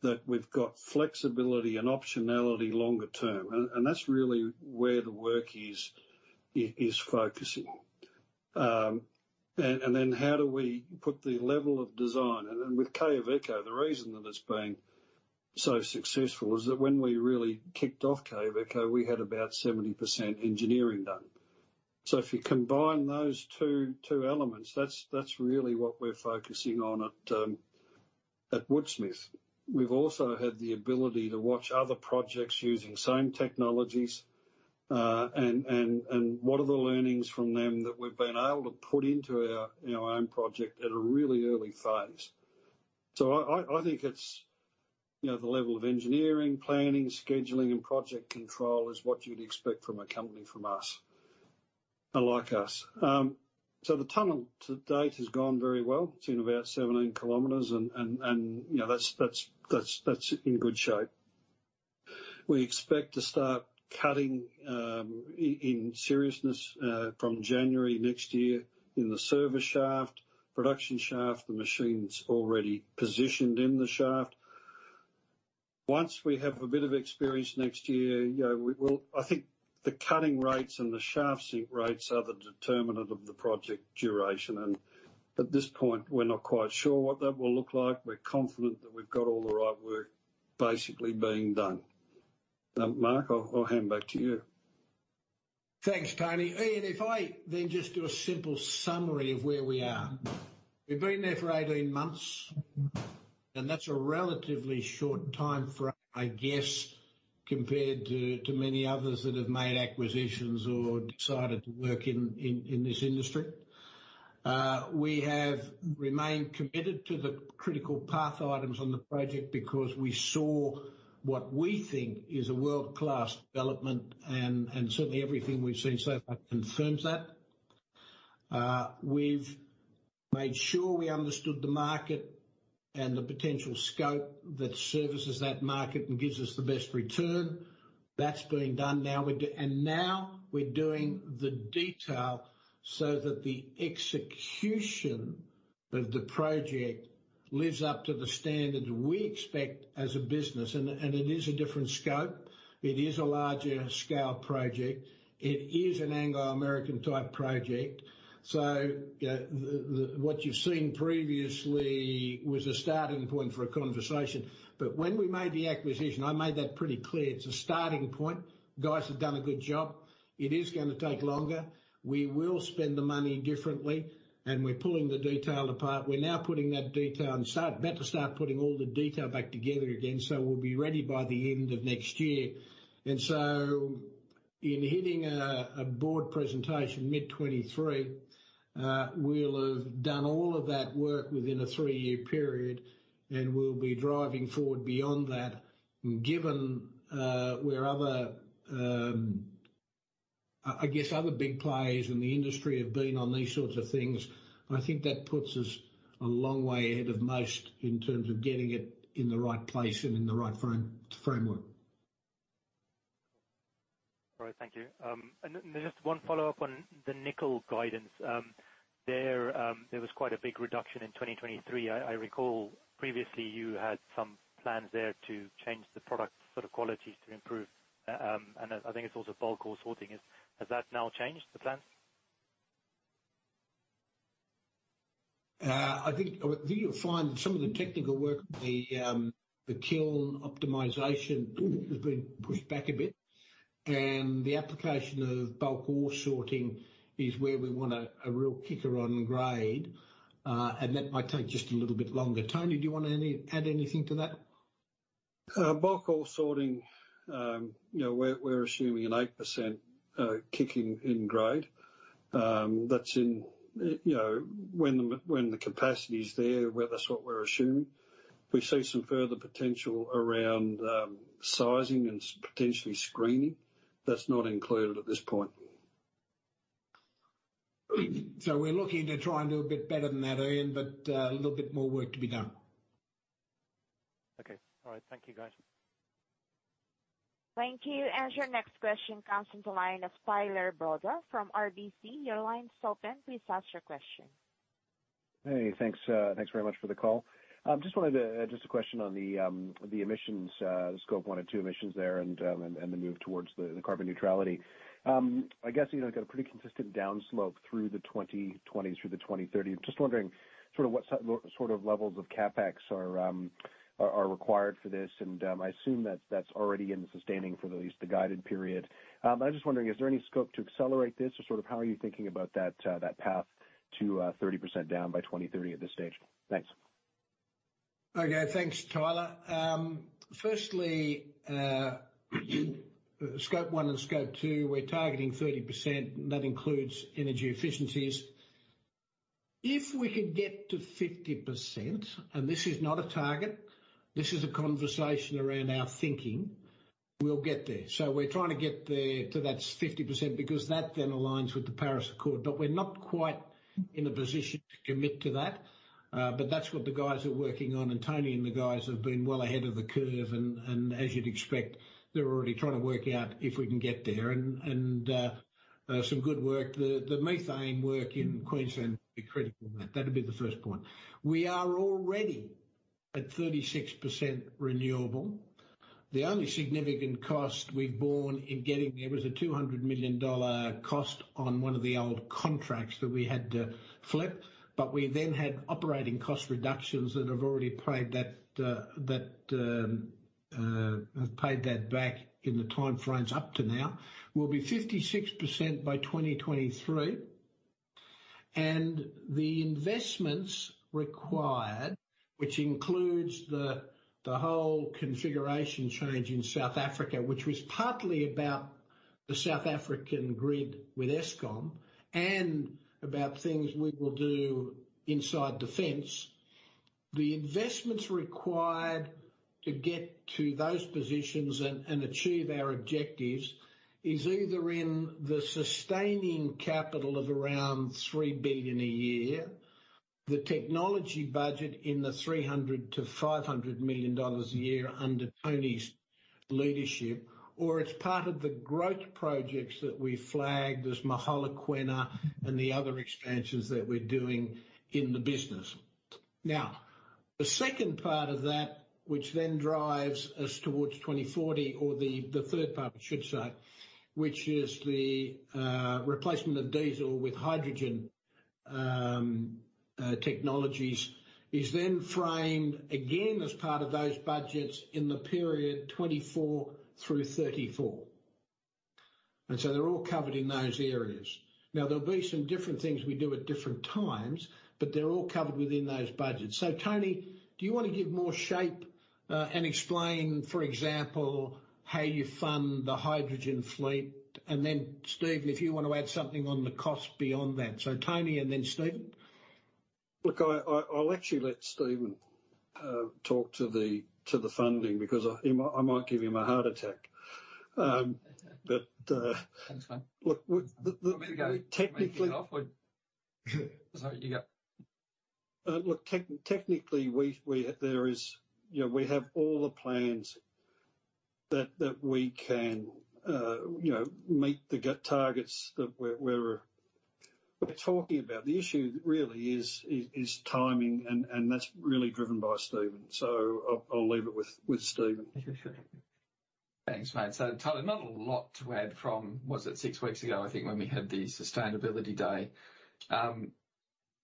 G: that we've got flexibility and optionality longer term? That's really where the work is focusing. Then how do we put the level of design? Then with Quellaveco, the reason that it's been so successful is that when we really kicked off Quellaveco, we had about 70% engineering done. If you combine those two elements, that's really what we're focusing on at Woodsmith. We've also had the ability to watch other projects using same technologies, and what are the learnings from them that we've been able to put into our own project at a really early phase. I think it's, you know, the level of engineering, planning, scheduling, and project control is what you'd expect from a company from us, or like us. The tunnel to date has gone very well. It's in about 17 km and, you know, that's in good shape. We expect to start cutting in seriousness from January next year in the service shaft. Production shaft, the machine's already positioned in the shaft. Once we have a bit of experience next year, you know, we will, I think the cutting rates and the shaft sink rates are the determinant of the project duration. At this point, we're not quite sure what that will look like. We're confident that we've got all the right work basically being done. Mark, I'll hand back to you.
A: Thanks, Tony. Ian, if I then just do a simple summary of where we are. We've been there for 18 months, and that's a relatively short timeframe, I guess, compared to many others that have made acquisitions or decided to work in this industry. We have remained committed to the critical path items on the project because we saw what we think is a world-class development and certainly everything we've seen so far confirms that. We've made sure we understood the market and the potential scope that services that market and gives us the best return. That's been done. Now we're doing the detail so that the execution of the project lives up to the standard we expect as a business. It is a different scope. It is a larger scale project. It is an Anglo American type project. You know, what you've seen previously was a starting point for a conversation. When we made the acquisition, I made that pretty clear. It's a starting point. Guys have done a good job. It is gonna take longer. We will spend the money differently. We're pulling the detail apart. We're now putting that detail, about to start putting all the detail back together again, we'll be ready by the end of next year. In hitting a board presentation mid 2023, we'll have done all of that work within a three-year period, and we'll be driving forward beyond that. Given where other big players in the industry have been on these sorts of things, I think that puts us a long way ahead of most in terms of getting it in the right place and in the right framework.
I: All right, thank you. Just one follow-up on the nickel guidance. There was quite a big reduction in 2023. I recall previously you had some plans there to change the product sort of quality to improve. I think it's also bulk ore sorting. Has that now changed, the plan?
A: I think you'll find some of the technical work, the kiln optimization has been pushed back a bit. The application of bulk ore sorting is where we want a real kicker on grade, and that might take just a little bit longer. Tony, do you want to add anything to that?
G: Bulk ore sorting, you know, we're assuming an 8% kick in grade. That's in, you know, when the capacity's there, well that's what we're assuming. We see some further potential around sizing and potentially screening. That's not included at this point.
A: We're looking to try and do a bit better than that, Ian, but a little bit more work to be done.
I: Okay. All right. Thank you, guys.
C: Thank you. Your next question comes from the line of Tyler Broda from RBC. Your line's open. Please ask your question.
J: Hey, thanks. Thanks very much for the call. Just a question on the emissions, Scope 1 and 2 emissions there and the move towards the carbon neutrality. I guess, you know, got a pretty consistent downslope through the 2020s, through 2030. Just wondering sort of what sort of levels of CapEx are required for this. I assume that's already in the sustaining for at least the guided period. I'm just wondering, is there any scope to accelerate this? Or sort of how are you thinking about that path to 30% down by 2030 at this stage? Thanks.
A: Okay. Thanks, Tyler. Firstly, Scope 1 and Scope 2, we're targeting 30%. That includes energy efficiencies. If we can get to 50%, and this is not a target, this is a conversation around our thinking, we'll get there. We're trying to get there to that 50% because that then aligns with the Paris Agreement. We're not quite in a position to commit to that. That's what the guys are working on. Tony and the guys have been well ahead of the curve and some good work. The methane work in Queensland will be critical in that. That'd be the first point. We are already at 36% renewable. The only significant cost we've borne in getting there was a $200 million cost on one of the old contracts that we had to flip. We then had operating cost reductions that have already paid that back in the timeframes up to now. We'll be 56% by 2023. The investments required, which includes the whole configuration change in South Africa, which was partly about the South African grid with Eskom and about things we will do inside the fence. The investments required to get to those positions and achieve our objectives is either in the sustaining capital of around $3 billion a year, the technology budget in the $300 million-$500 million a year under Tony's leadership, or it's part of the growth projects that we flagged as Mogalakwena and the other expansions that we're doing in the business. Now, the second part of that, which then drives us towards 2040 or the third part I should say, which is the replacement of diesel with hydrogen technologies, is then framed again as part of those budgets in the period 2024 through 2034. They're all covered in those areas. Now, there'll be some different things we do at different times, but they're all covered within those budgets. Tony, do you wanna give more shape, and explain, for example, how you fund the hydrogen fleet? Stephen, if you wanna add something on the cost beyond that. Tony and then Stephen.
G: Look, I'll actually let Stephen talk to the funding because I might give him a heart attack. But
A: Thanks, mate.
G: Look, with, the-
A: Want me to go-
G: Technically-
A: You want me to kick off or? Sorry, you go.
G: Look, technically, there is, you know, we have all the plans that we can meet the targets that we're talking about. The issue really is timing, and that's really driven by Stephen. So I'll leave it with Stephen.
B: Thanks, mate. Tyler, not a lot to add from, was it six weeks ago, I think, when we had the Sustainability Day.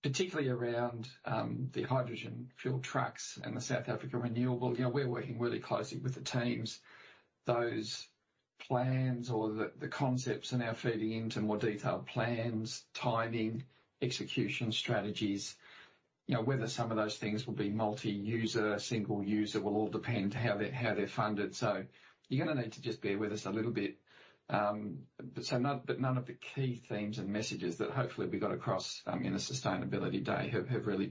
B: Particularly around the hydrogen fuel trucks and the South Africa renewable, you know, we're working really closely with the teams. Those plans or the concepts are now feeding into more detailed plans, timing, execution strategies. You know, whether some of those things will be multi-user, single user, will all depend how they're funded. You're gonna need to just bear with us a little bit. None of the key themes and messages that hopefully we got across in the Sustainability Day have really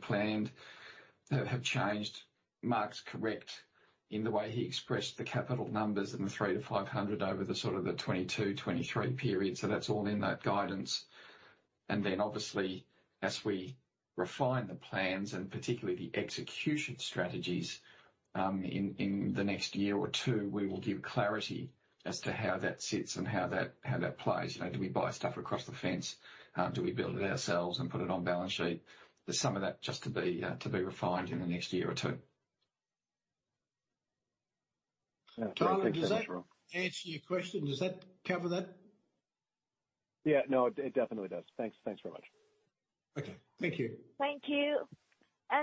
B: changed. Mark's correct in the way he expressed the capital numbers in the $300 million-$500 million over the sort of the 2022-2023 period. That's all in that guidance. Obviously, as we refine the plans and particularly the execution strategies, in the next year or two, we will give clarity as to how that sits and how that plays. You know, do we buy stuff across the fence? Do we build it ourselves and put it on balance sheet? There's some of that just to be refined in the next year or two.
J: Yeah. Thanks, everyone.
A: Tyler, does that answer your question? Does that cover that?
J: Yeah, no, it definitely does. Thanks. Thanks very much.
A: Okay. Thank you.
C: Thank you.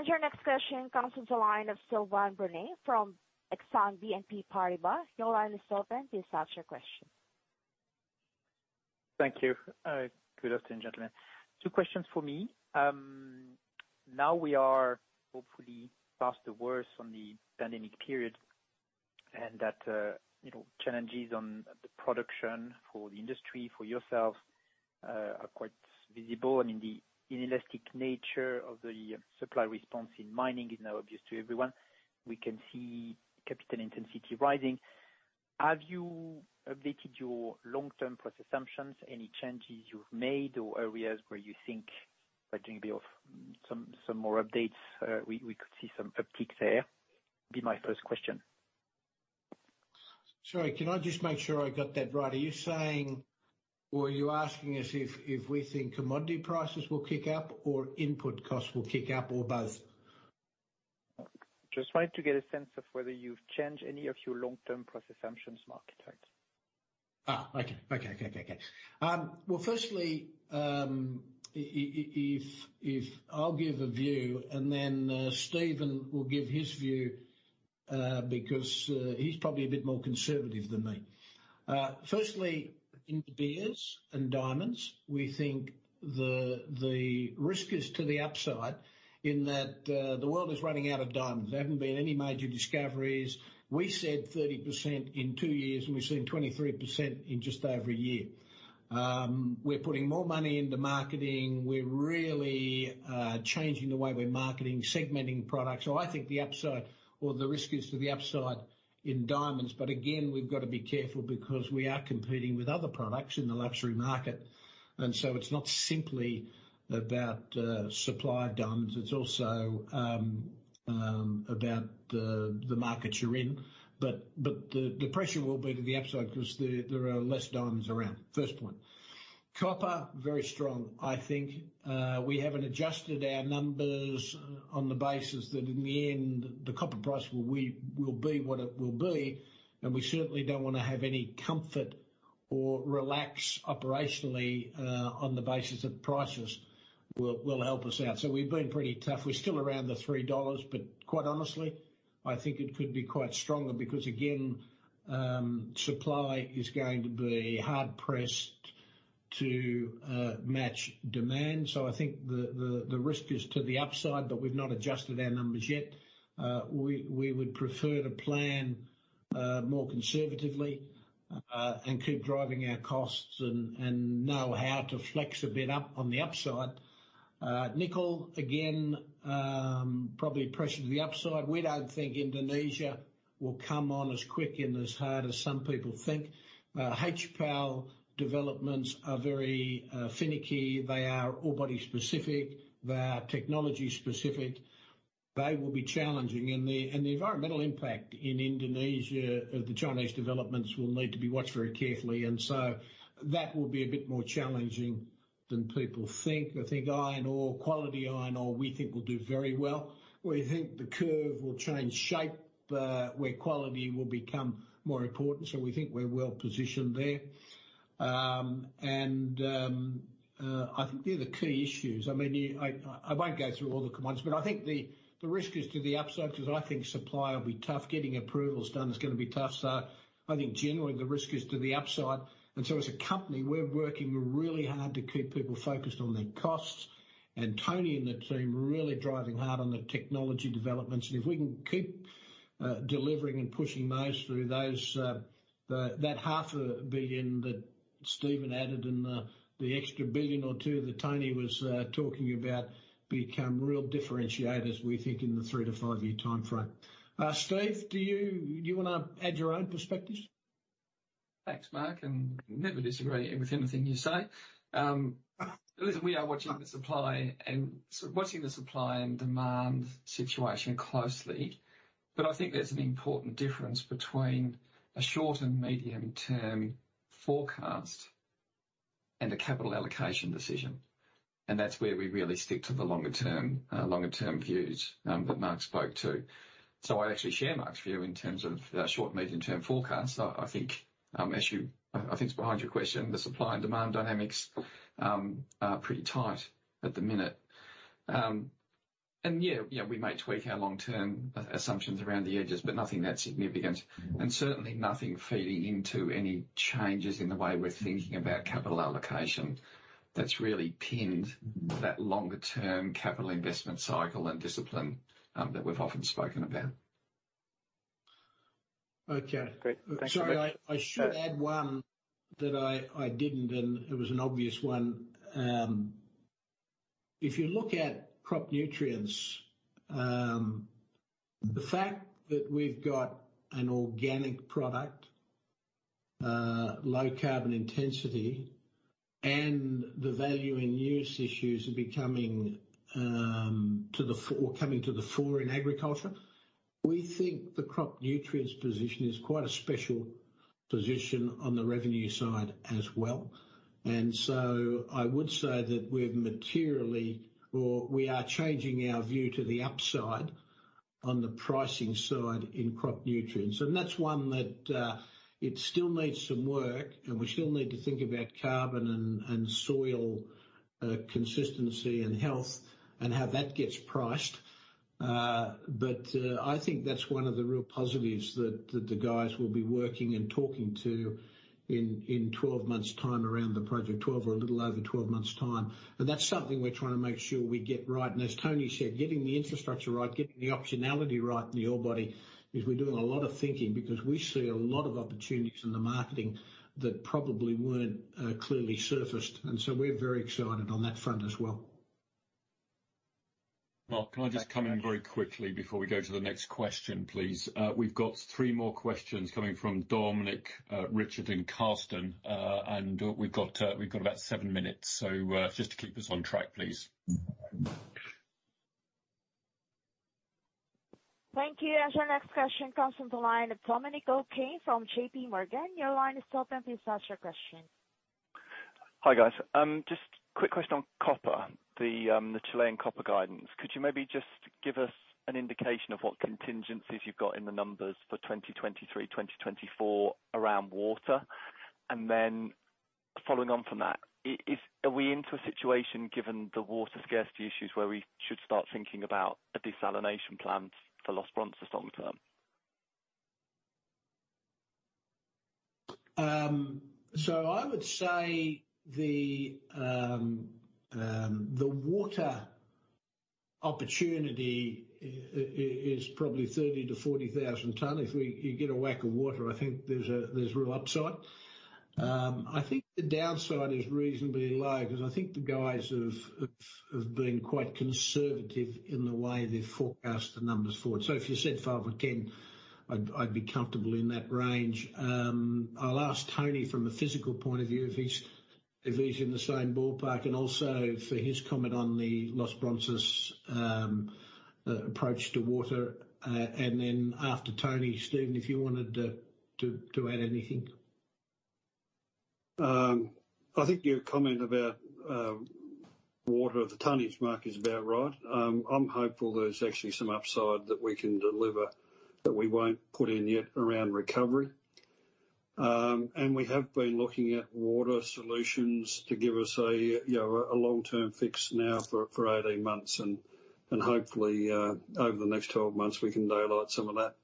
C: Your next question comes from the line of Sylvain Brunet from Exane BNP Paribas. Your line is open. Please ask your question.
K: Thank you. Good afternoon, gentlemen. Two questions for me. Now we are hopefully past the worst on the pandemic period, and that, you know, challenges on the production for the industry, for yourself, are quite visible. I mean, the inelastic nature of the supply response in mining is now obvious to everyone. We can see capital intensity rising. Have you updated your long-term price assumptions? Any changes you've made or areas where you think there are gonna be of some more updates, we could see some upticks there? Be my first question.
A: Sorry, can I just make sure I got that right? Are you saying or are you asking us if we think commodity prices will kick up, or input costs will kick up, or both?
K: Just wanted to get a sense of whether you've changed any of your long-term price assumptions, market type?
A: Well, first, I'll give a view, and then Stephen will give his view, because he's probably a bit more conservative than me. First, in De Beers and diamonds, we think the risk is to the upside in that the world is running out of diamonds. There haven't been any major discoveries. We said 30% in two years, and we've seen 23% in just over a year. We're putting more money into marketing. We're really changing the way we're marketing, segmenting products. I think the upside or the risk is to the upside in diamonds. Again, we've got to be careful because we are competing with other products in the luxury market, and so it's not simply about supply of diamonds. It's also about the markets you're in. The pressure will be to the upside 'cause there are less diamonds around. First point. Copper very strong. I think we haven't adjusted our numbers on the basis that in the end, the copper price will be what it will be, and we certainly don't wanna have any comfort or relax operationally on the basis that prices will help us out. We've been pretty tough. We're still around $3, but quite honestly, I think it could be quite stronger because again, supply is going to be hard pressed to match demand. I think the risk is to the upside, but we've not adjusted our numbers yet. We would prefer to plan more conservatively and keep driving our costs and know how to flex a bit up on the upside. Nickel, again, probably pressure to the upside. We don't think Indonesia will come on as quick and as hard as some people think. HPAL developments are very finicky. They are ore body specific. They are technology specific. They will be challenging. The environmental impact in Indonesia of the Chinese developments will need to be watched very carefully, and so that will be a bit more challenging than people think. I think iron ore, quality iron ore, we think will do very well. We think the curve will change shape where quality will become more important, so we think we're well positioned there. I think they're the key issues. I mean, I won't go through all the commodities, but I think the risk is to the upside because I think supply will be tough. Getting approvals done is gonna be tough. I think generally the risk is to the upside. As a company, we're working really hard to keep people focused on their costs. Tony and the team are really driving hard on the technology developments. If we can keep delivering and pushing those through, the $ half a billion that Stephen added and the extra $1 billion or $2 billion that Tony was talking about become real differentiators, we think in the three-to-five-year timeframe. Steve, do you wanna add your own perspective?
B: Thanks, Mark, and never disagree with anything you say. Listen, we are watching the supply and demand situation closely, but I think there's an important difference between a short and medium-term forecast and a capital allocation decision. That's where we really stick to the longer term views that Mark spoke to. I'd actually share Mark's view in terms of the short and medium-term forecast. I think it's behind your question, the supply and demand dynamics are pretty tight at the minute. Yeah, we may tweak our long-term assumptions around the edges, but nothing that significant. Certainly nothing feeding into any changes in the way we're thinking about capital allocation. That's really pinned to that longer-term capital investment cycle and discipline that we've often spoken about.
A: Okay.
K: Great. Thank you very much.
A: Sorry, I should add one that I didn't, and it was an obvious one. If you look at crop nutrients, the fact that we've got an organic product, low carbon intensity, and the value in use issues are becoming to the fore or coming to the fore in agriculture. We think the crop nutrients position is quite a special position on the revenue side as well. I would say that we're materially, or we are changing our view to the upside on the pricing side in crop nutrients. That's one that it still needs some work, and we still need to think about carbon and soil consistency and health and how that gets priced. I think that's one of the real positives that the guys will be working and talking to in 12 months' time around the project, 12 or a little over 12 months' time. That's something we're trying to make sure we get right. As Tony said, getting the infrastructure right, getting the optionality right in the ore body, we're doing a lot of thinking because we see a lot of opportunities in the marketing that probably weren't clearly surfaced, so we're very excited on that front as well.
D: Mark, can I just come in very quickly before we go to the next question, please? We've got three more questions coming from Dominic, Richard, and Carsten. We've got about seven minutes, so just to keep us on track, please.
C: Thank you. Your next question comes from the line of Dominic O'Kane from J.P. Morgan. Your line is open. Please ask your question.
L: Hi, guys. Just quick question on copper, the Chilean copper guidance. Could you maybe just give us an indication of what contingencies you've got in the numbers for 2023, 2024 around water? Following on from that, are we into a situation, given the water scarcity issues, where we should start thinking about a desalination plant for Los Bronces long term?
A: I would say the water opportunity is probably 30-40,000 tons. If you get a whack of water, I think there's real upside. I think the downside is reasonably low because I think the guys have been quite conservative in the way they've forecast the numbers forward. If you said five or 10, I'd be comfortable in that range. I'll ask Tony O'Neill from a physical point of view if he's in the same ballpark, and also for his comment on the Los Bronces approach to water. After Tony O'Neill, Stephen Pearce, if you wanted to add anything.
G: I think your comment about water at the tonnage mark is about right. I'm hopeful there's actually some upside that we can deliver that we won't put in yet around recovery. We have been looking at water solutions to give us a, you know, a long-term fix now for 18 months. Hopefully, over the next 12 months, we can daylight some of that.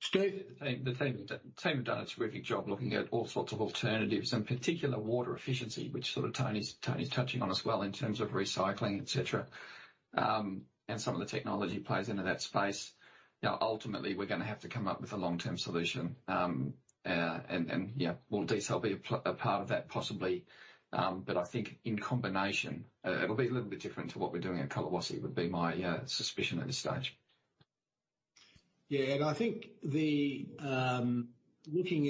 A: Steve?
B: The team have done a terrific job looking at all sorts of alternatives, in particular water efficiency, which sort of Tony's touching on as well in terms of recycling, et cetera. Some of the technology plays into that space. You know, ultimately, we're gonna have to come up with a long-term solution. Yeah, will desalination be a part of that possibly. But I think in combination, it'll be a little bit different to what we're doing at Collahuasi would be my suspicion at this stage.
A: Yeah. I think looking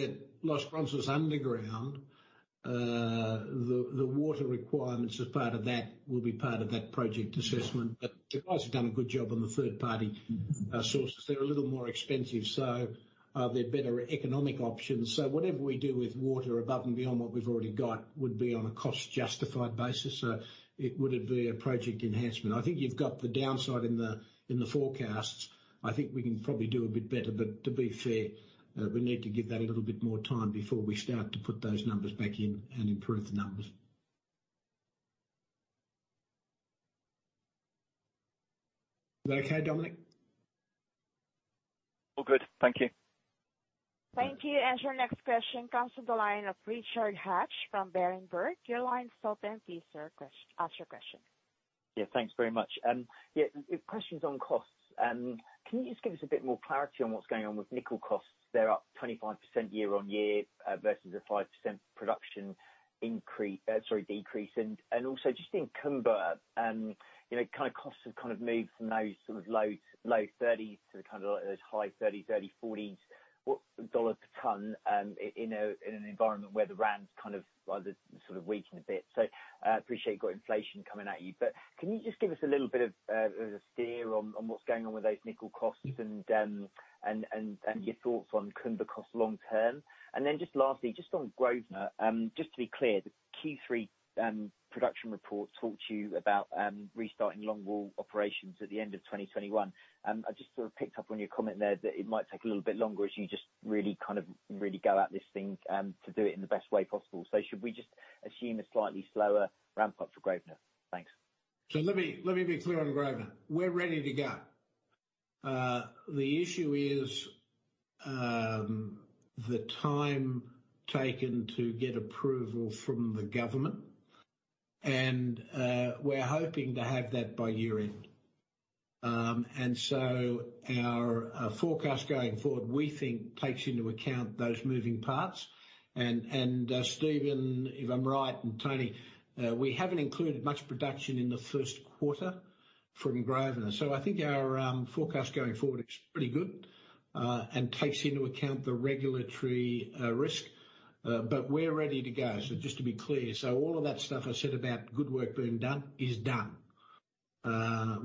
A: at Los Bronces underground, the water requirements as part of that will be part of that project assessment. The guys have done a good job on the third-party sources. They're a little more expensive, so they're better economic options. Whatever we do with water above and beyond what we've already got would be on a cost-justified basis. It would be a project enhancement. I think you've got the downside in the forecasts. I think we can probably do a bit better. To be fair, we need to give that a little bit more time before we start to put those numbers back in and improve the numbers. Is that okay, Dominic?
L: All good. Thank you.
C: Thank you. Your next question comes to the line of Richard Hatch from Berenberg. Your line is open. Please ask your question.
M: Yeah. Thanks very much. Questions on costs. Can you just give us a bit more clarity on what's going on with nickel costs? They're up 25% year on year versus a 5% production decrease. And also just in Kumba, you know, kind of costs have kind of moved from those sort of low 30s to kind of those high 30s, early 40s, what, dollars per ton, in an environment where the rand's kind of rather sort of weakened a bit. Appreciate you've got inflation coming at you. But can you just give us a little bit of steer on what's going on with those nickel costs and your thoughts on Kumba costs long term? Then just lastly, just on Grosvenor, just to be clear, the Q3 production report talked to you about restarting longwall operations at the end of 2021. I just sort of picked up on your comment there that it might take a little bit longer as you just really kind of go at this thing to do it in the best way possible. Should we just assume a slightly slower ramp up for Grosvenor? Thanks.
A: Let me be clear on Grosvenor. We're ready to go. The issue is the time taken to get approval from the government. We're hoping to have that by year-end. Our forecast going forward, we think takes into account those moving parts. Stephen, if I'm right, and Tony, we haven't included much production in the first quarter from Grosvenor. I think our forecast going forward is pretty good and takes into account the regulatory risk. We're ready to go. Just to be clear, all of that stuff I said about good work being done is done.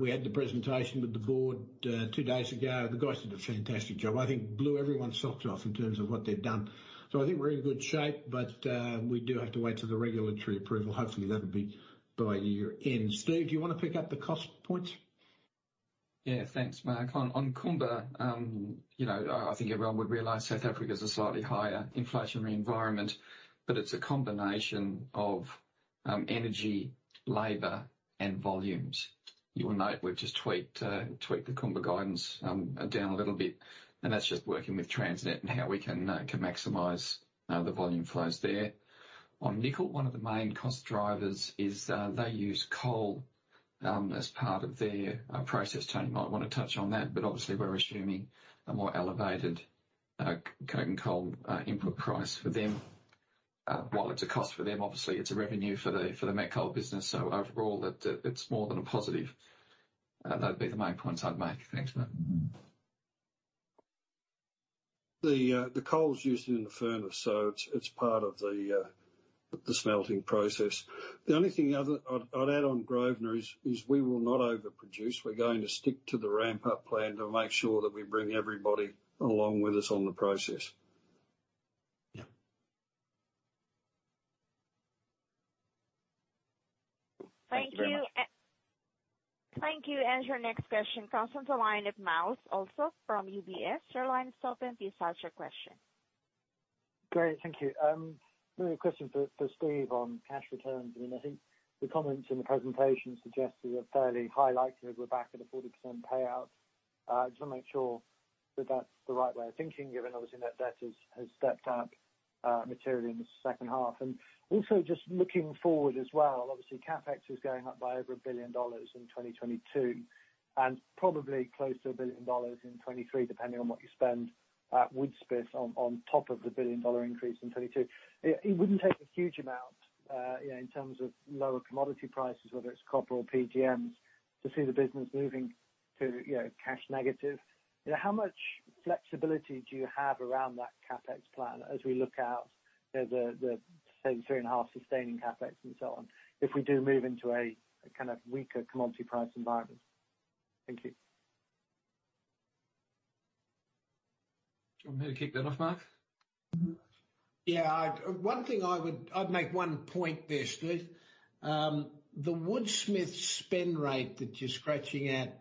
A: We had the presentation with the board two days ago. The guys did a fantastic job. I think blew everyone's socks off in terms of what they've done. I think we're in good shape, but we do have to wait till the regulatory approval. Hopefully that'll be by year-end. Steve, do you wanna pick up the cost points?
B: Yeah, thanks, Mark. On Kumba, you know, I think everyone would realize South Africa is a slightly higher inflationary environment, but it's a combination of energy, labor, and volumes. You will note we've just tweaked the Kumba guidance down a little bit, and that's just working with Transnet and how we can maximize the volume flows there. On nickel, one of the main cost drivers is they use coal as part of their process. Tony might wanna touch on that. Obviously we're assuming a more elevated coke and coal input price for them. While it's a cost for them, obviously it's a revenue for the Met Coal business. Overall it's more than a positive. That'd be the main points I'd make. Thanks, Mark.
A: Mm-hmm.
G: The coal's used in the furnace, so it's part of the smelting process. The only other thing I'd add on Grosvenor is, we will not overproduce. We're going to stick to the ramp-up plan to make sure that we bring everybody along with us on the process.
B: Yeah.
M: Thank you.
A: Thanks, Stephen.
C: Thank you. Your next question comes from the line of Myles Allsop from UBS. Your line is open. Please ask your question.
N: Great. Thank you. Really a question for Stephen on cash returns. I mean, I think the comments in the presentation suggested a fairly high likelihood we're back at a 40% payout. Just wanna make sure that's the right way of thinking, given obviously net debt has stepped up materially in the second half. Also just looking forward as well, obviously CapEx is going up by over $1 billion in 2022, and probably close to $1 billion in 2023, depending on what you spend at Woodsmith on top of the $1 billion increase in 2022. It wouldn't take a huge amount, you know, in terms of lower commodity prices, whether it's copper or PGMs, to see the business moving to, you know, cash negative. You know, how much flexibility do you have around that CapEx plan as we look out, you know, say 3.5 sustaining CapEx and so on, if we do move into a kind of weaker commodity price environment? Thank you.
B: Do you want me to kick that off, Mark?
A: I'd make one point there, Steve. The Woodsmith spend rate that you're scratching at,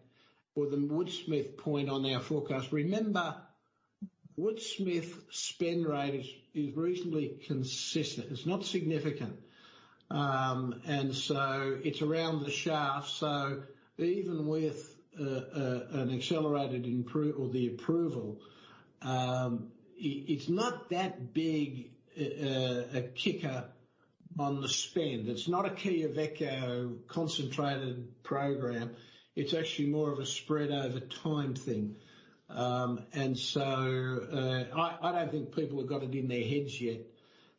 A: or the Woodsmith point on our forecast, remember, Woodsmith spend rate is reasonably consistent. It's not significant. It's around the shaft. Even with an accelerated approval, it's not that big a kicker on the spend. It's not a Quellaveco concentrated program. It's actually more of a spread over time thing. I don't think people have got it in their heads yet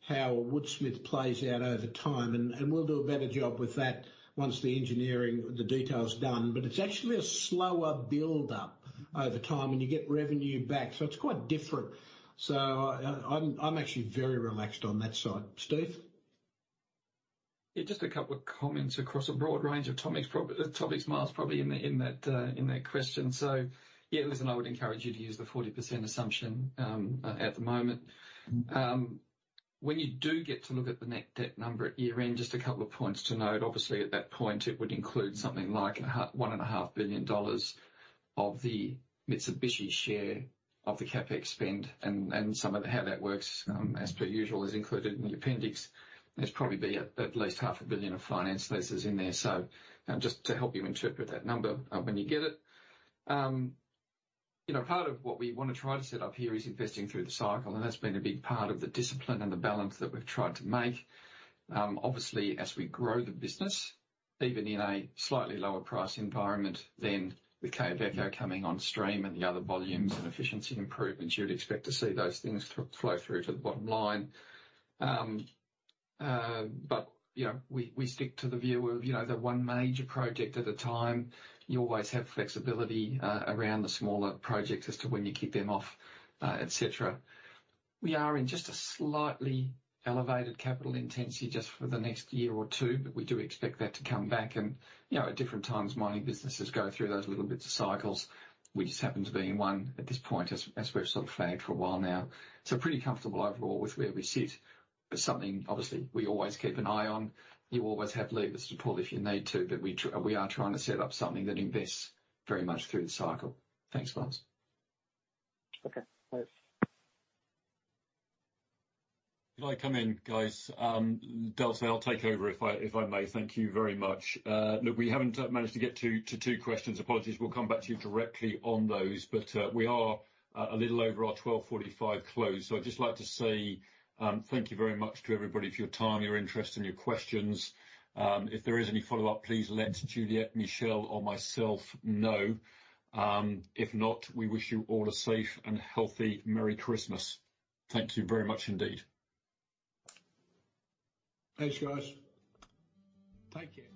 A: how Woodsmith plays out over time. We'll do a better job with that once the engineering, the detail's done. It's actually a slower build up over time, and you get revenue back, so it's quite different. I'm actually very relaxed on that side. Steve?
B: Yeah, just a couple of comments across a broad range of topics Miles probably in that question. Listen, I would encourage you to use the 40% assumption at the moment. When you do get to look at the net debt number at year-end, just a couple of points to note. Obviously at that point it would include something like $1.5 billion of the Mitsubishi share of the CapEx spend and some of how that works as per usual is included in the appendix. There will probably be at least $0.5 billion of finance leases in there. Just to help you interpret that number when you get it. You know, part of what we wanna try to set up here is investing through the cycle, and that's been a big part of the discipline and the balance that we've tried to make. Obviously, as we grow the business, even in a slightly lower price environment with the Quellaveco coming on stream and the other volumes and efficiency improvements, you'd expect to see those things to flow through to the bottom line. You know, we stick to the view of, you know, the one major project at a time. You always have flexibility around the smaller projects as to when you kick them off, et cetera. We are in just a slightly elevated capital intensity just for the next year or two, but we do expect that to come back and, you know, at different times mining businesses go through those little bits of cycles. We just happen to be in one at this point as we've sort of flagged for a while now. Pretty comfortable overall with where we sit. It's something obviously we always keep an eye on. You always have levers to pull if you need to, but we are trying to set up something that invests very much through the cycle. Thanks, Myles.
N: Okay, thanks.
D: Can I come in, guys? Dulce, I'll take over if I may. Thank you very much. Look, we haven't managed to get to two questions. Apologies, we'll come back to you directly on those. We are a little over our 12:45 close. I'd just like to say thank you very much to everybody for your time, your interest and your questions. If there is any follow-up, please let Juliet, Michelle or myself know. If not, we wish you all a safe and healthy merry Christmas. Thank you very much indeed.
A: Thanks, guys.
G: Take care.